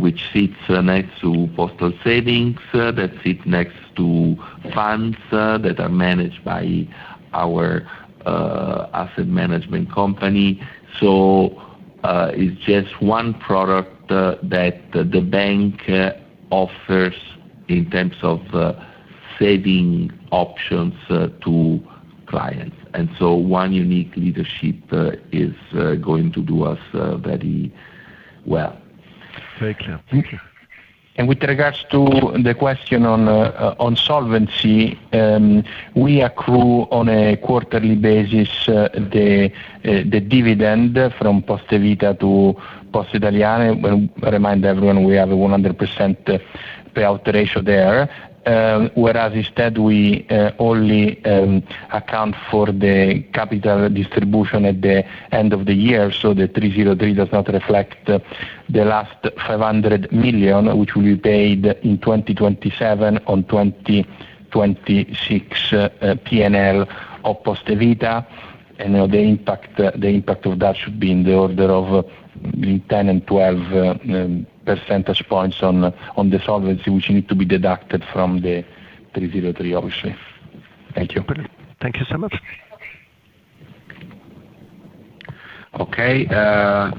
which sits next to postal savings, that sit next to funds that are managed by our asset management company. It's just one product that the bank offers in terms of saving options to clients. One unique leadership is going to do us very well. Very clear. Thank you. With regards to the question on Solvency, we accrue on a quarterly basis the dividend from Poste Vita to Poste Italiane. I remind everyone we have 100% payout ratio there. Whereas instead we only account for the capital distribution at the end of the year. The 303 does not reflect the last 500 million, which will be paid in 2027 on 2026 P&L of Poste Vita. The impact of that should be in the order of 10 and 12 percentage points on the Solvency, which need to be deducted from the 303, obviously. Thank you. Brilliant. Thank you so much.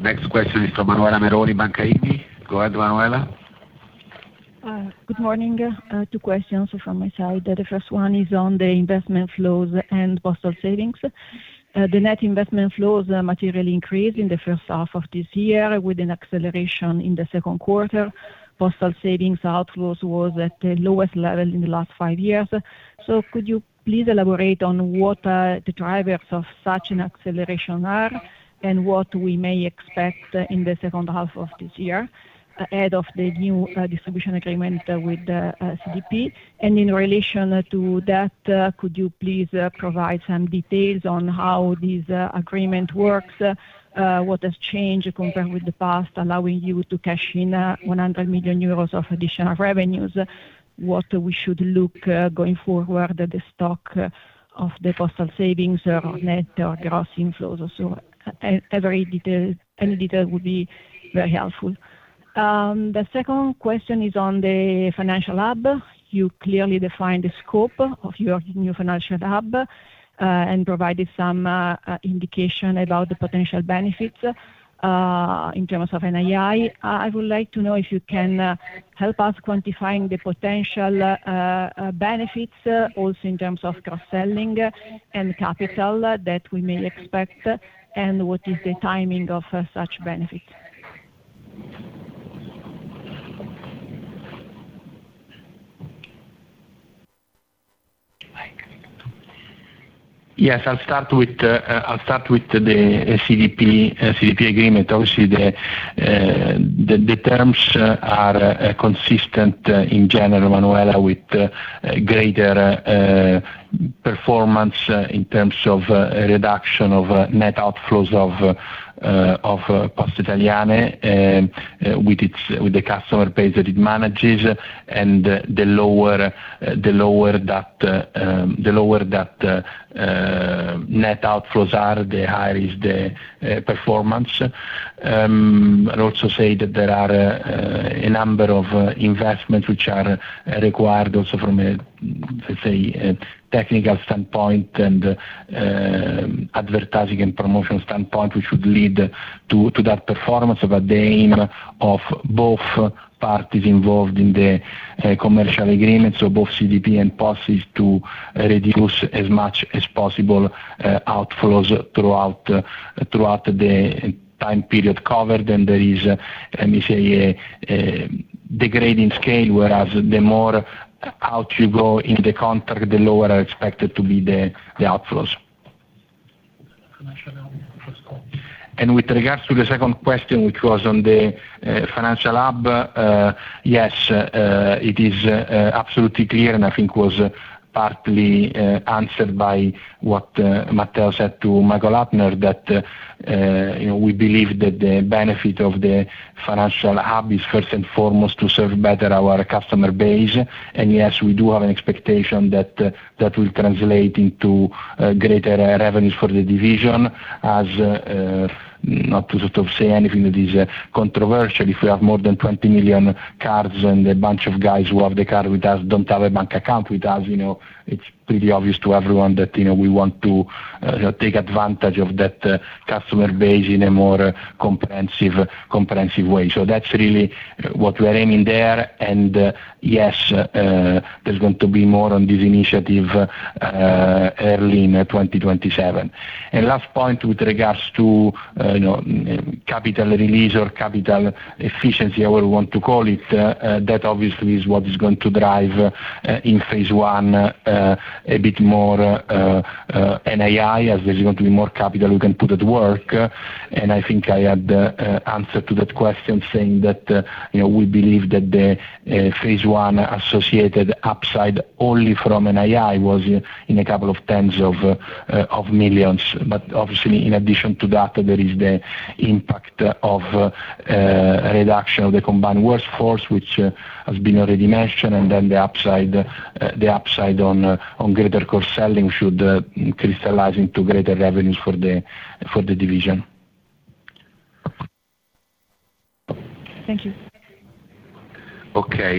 Next question is from Manuela Meroni, Banca IMI. Go ahead, Manuela. Good morning. Two questions from my side. The first one is on the investment flows and postal savings. The net investment flows materially increased in the first half of this year with an acceleration in the second quarter. Postal savings outflows was at the lowest level in the last five years. Could you please elaborate on what the drivers of such an acceleration are and what we may expect in the second half of this year ahead of the new distribution agreement with CDP? In relation to that, could you please provide some details on how this agreement works? What has changed compared with the past, allowing you to cash in 100 million euros of additional revenues? What we should look going forward? The stock of the postal savings or net or gross inflows or so on? Any detail would be very helpful. The second question is on the financial hub. You clearly defined the scope of your new financial hub, and provided some indication about the potential benefits, in terms of NII. I would like to know if you can help us quantifying the potential benefits also in terms of cross-selling and capital that we may expect, and what is the timing of such benefit? Yes, I'll start with the CDP agreement. Obviously, the terms are consistent in general, Manuela, with greater performance in terms of a reduction of net outflows of Poste Italiane with the customer base that it manages, and the lower that net outflows are, the higher is the performance. I'd also say that there are a number of investments which are required also from, let's say, a technical standpoint and advertising and promotion standpoint, which would lead to that performance of the aim of both parties involved in the commercial agreement. Both CDP and Poste is to reduce as much as possible outflows throughout the time period covered. There is, let me say, a degrading scale, whereas the more out you go in the contract, the lower are expected to be the outflows. With regards to the second question, which was on the financial hub, yes, it is absolutely clear and I think was partly answered by what Matteo said to Michael Huttner that we believe that the benefit of the financial hub is first and foremost to serve better our customer base. Yes, we do have an expectation that will translate into greater revenues for the division as, not to sort of say anything that is controversial, if we have more than 20 million cards and a bunch of guys who have the card with us don't have a bank account with us, it's pretty obvious to everyone that we want to take advantage of that customer base in a more comprehensive way. That's really what we are aiming there. Yes, there's going to be more on this initiative early in 2027. Last point with regards to capital release or capital efficiency, however you want to call it, that obviously is what is going to drive in phase I a bit more NII, as there is going to be more capital we can put at work. I think I had the answer to that question saying that we believe that the phase I associated upside only from NII was in a couple of tens of millions Euro. Obviously, in addition to that, there is the impact of a reduction of the combined workforce, which has been already mentioned, then the upside on greater core selling should crystallize into greater revenues for the division. Thank you. Okay.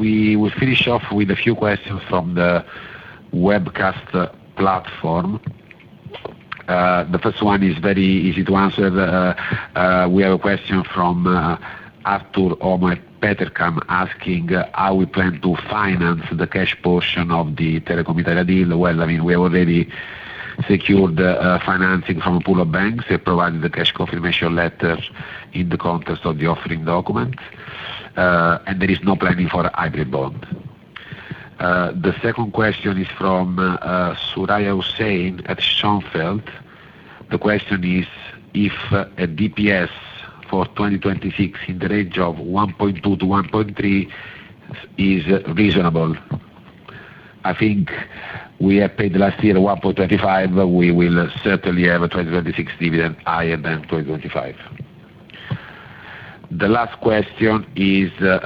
We will finish off with a few questions from the webcast platform. The first one is very easy to answer. We have a question from Arthur Omar Peterkam, asking how we plan to finance the cash portion of the Telecom Italia deal. We have already secured the financing from a pool of banks. They provided the cash confirmation letters in the context of the offering document. There is no planning for a hybrid bond. The second question is from Suraiya Hussain at Schonfeld. The question is if a DPS for 2026 in the range of 1.2 to 1.3 is reasonable. I think we have paid last year 1.25. We will certainly have a 2026 dividend higher than 2025. The last question is for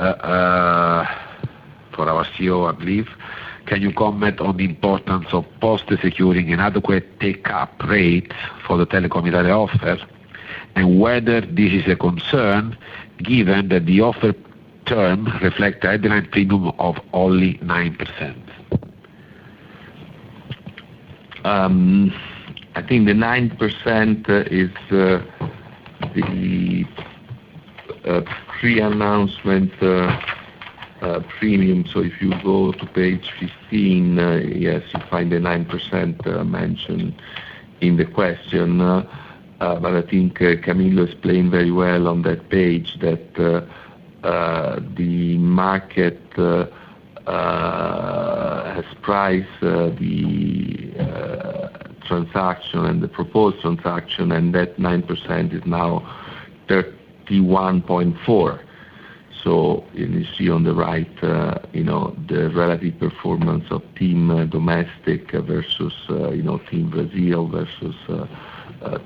our CEO, I believe. Can you comment on the importance of Poste securing an adequate take-up rate for the Telecom Italia offer, and whether this is a concern given that the offer terms reflect a dividend premium of only 9%? I think the 9% is the pre-announcement premium. If you go to page 15, yes, you find the 9% mentioned in the question. I think Camillo explained very well on that page that the market has priced the proposed transaction, and that 9% is now 31.4%. You see on the right the relative performance of TIM domestic versus TIM Brasil versus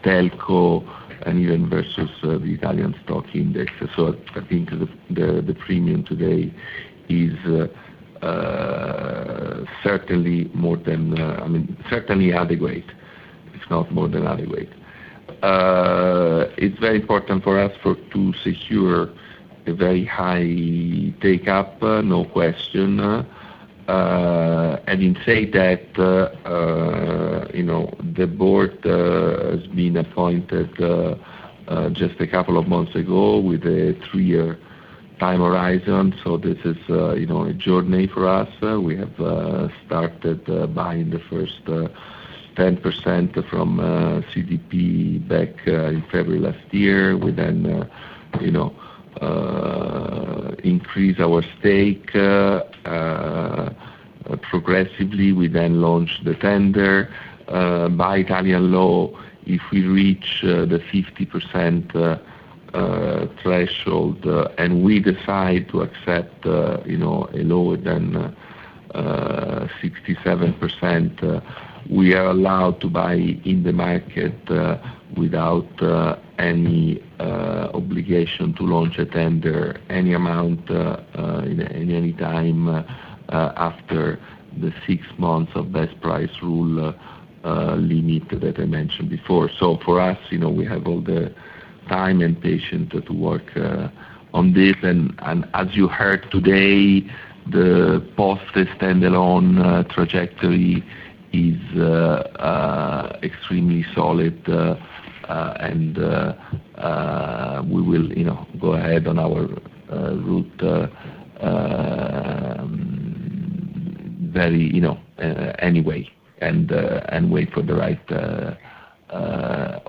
Telco and even versus the Italian stock index. I think the premium today is certainly adequate. It is not more than adequate. It is very important for us to secure a very high take-up, no question. Having said that, the board has been appointed just a three-year time horizon. This is a journey for us. We have started buying the first 10% from CDP back in February last year. We then increased our stake progressively. We then launched the tender. By Italian law, if we reach the 50% threshold, and we decide to accept a lower than 67%, we are allowed to buy in the market without any obligation to launch a tender, any amount, in any time after the six months of best price rule limit that I mentioned before. For us, we have all the time and patience to work on this. As you heard today, the Poste standalone trajectory is extremely solid. We will go ahead on our route anyway, and wait for the right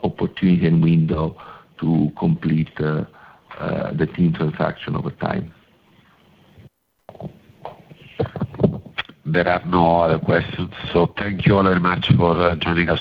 opportunity and window to complete the TIM transaction over time. There are no other questions. Thank you all very much for joining us.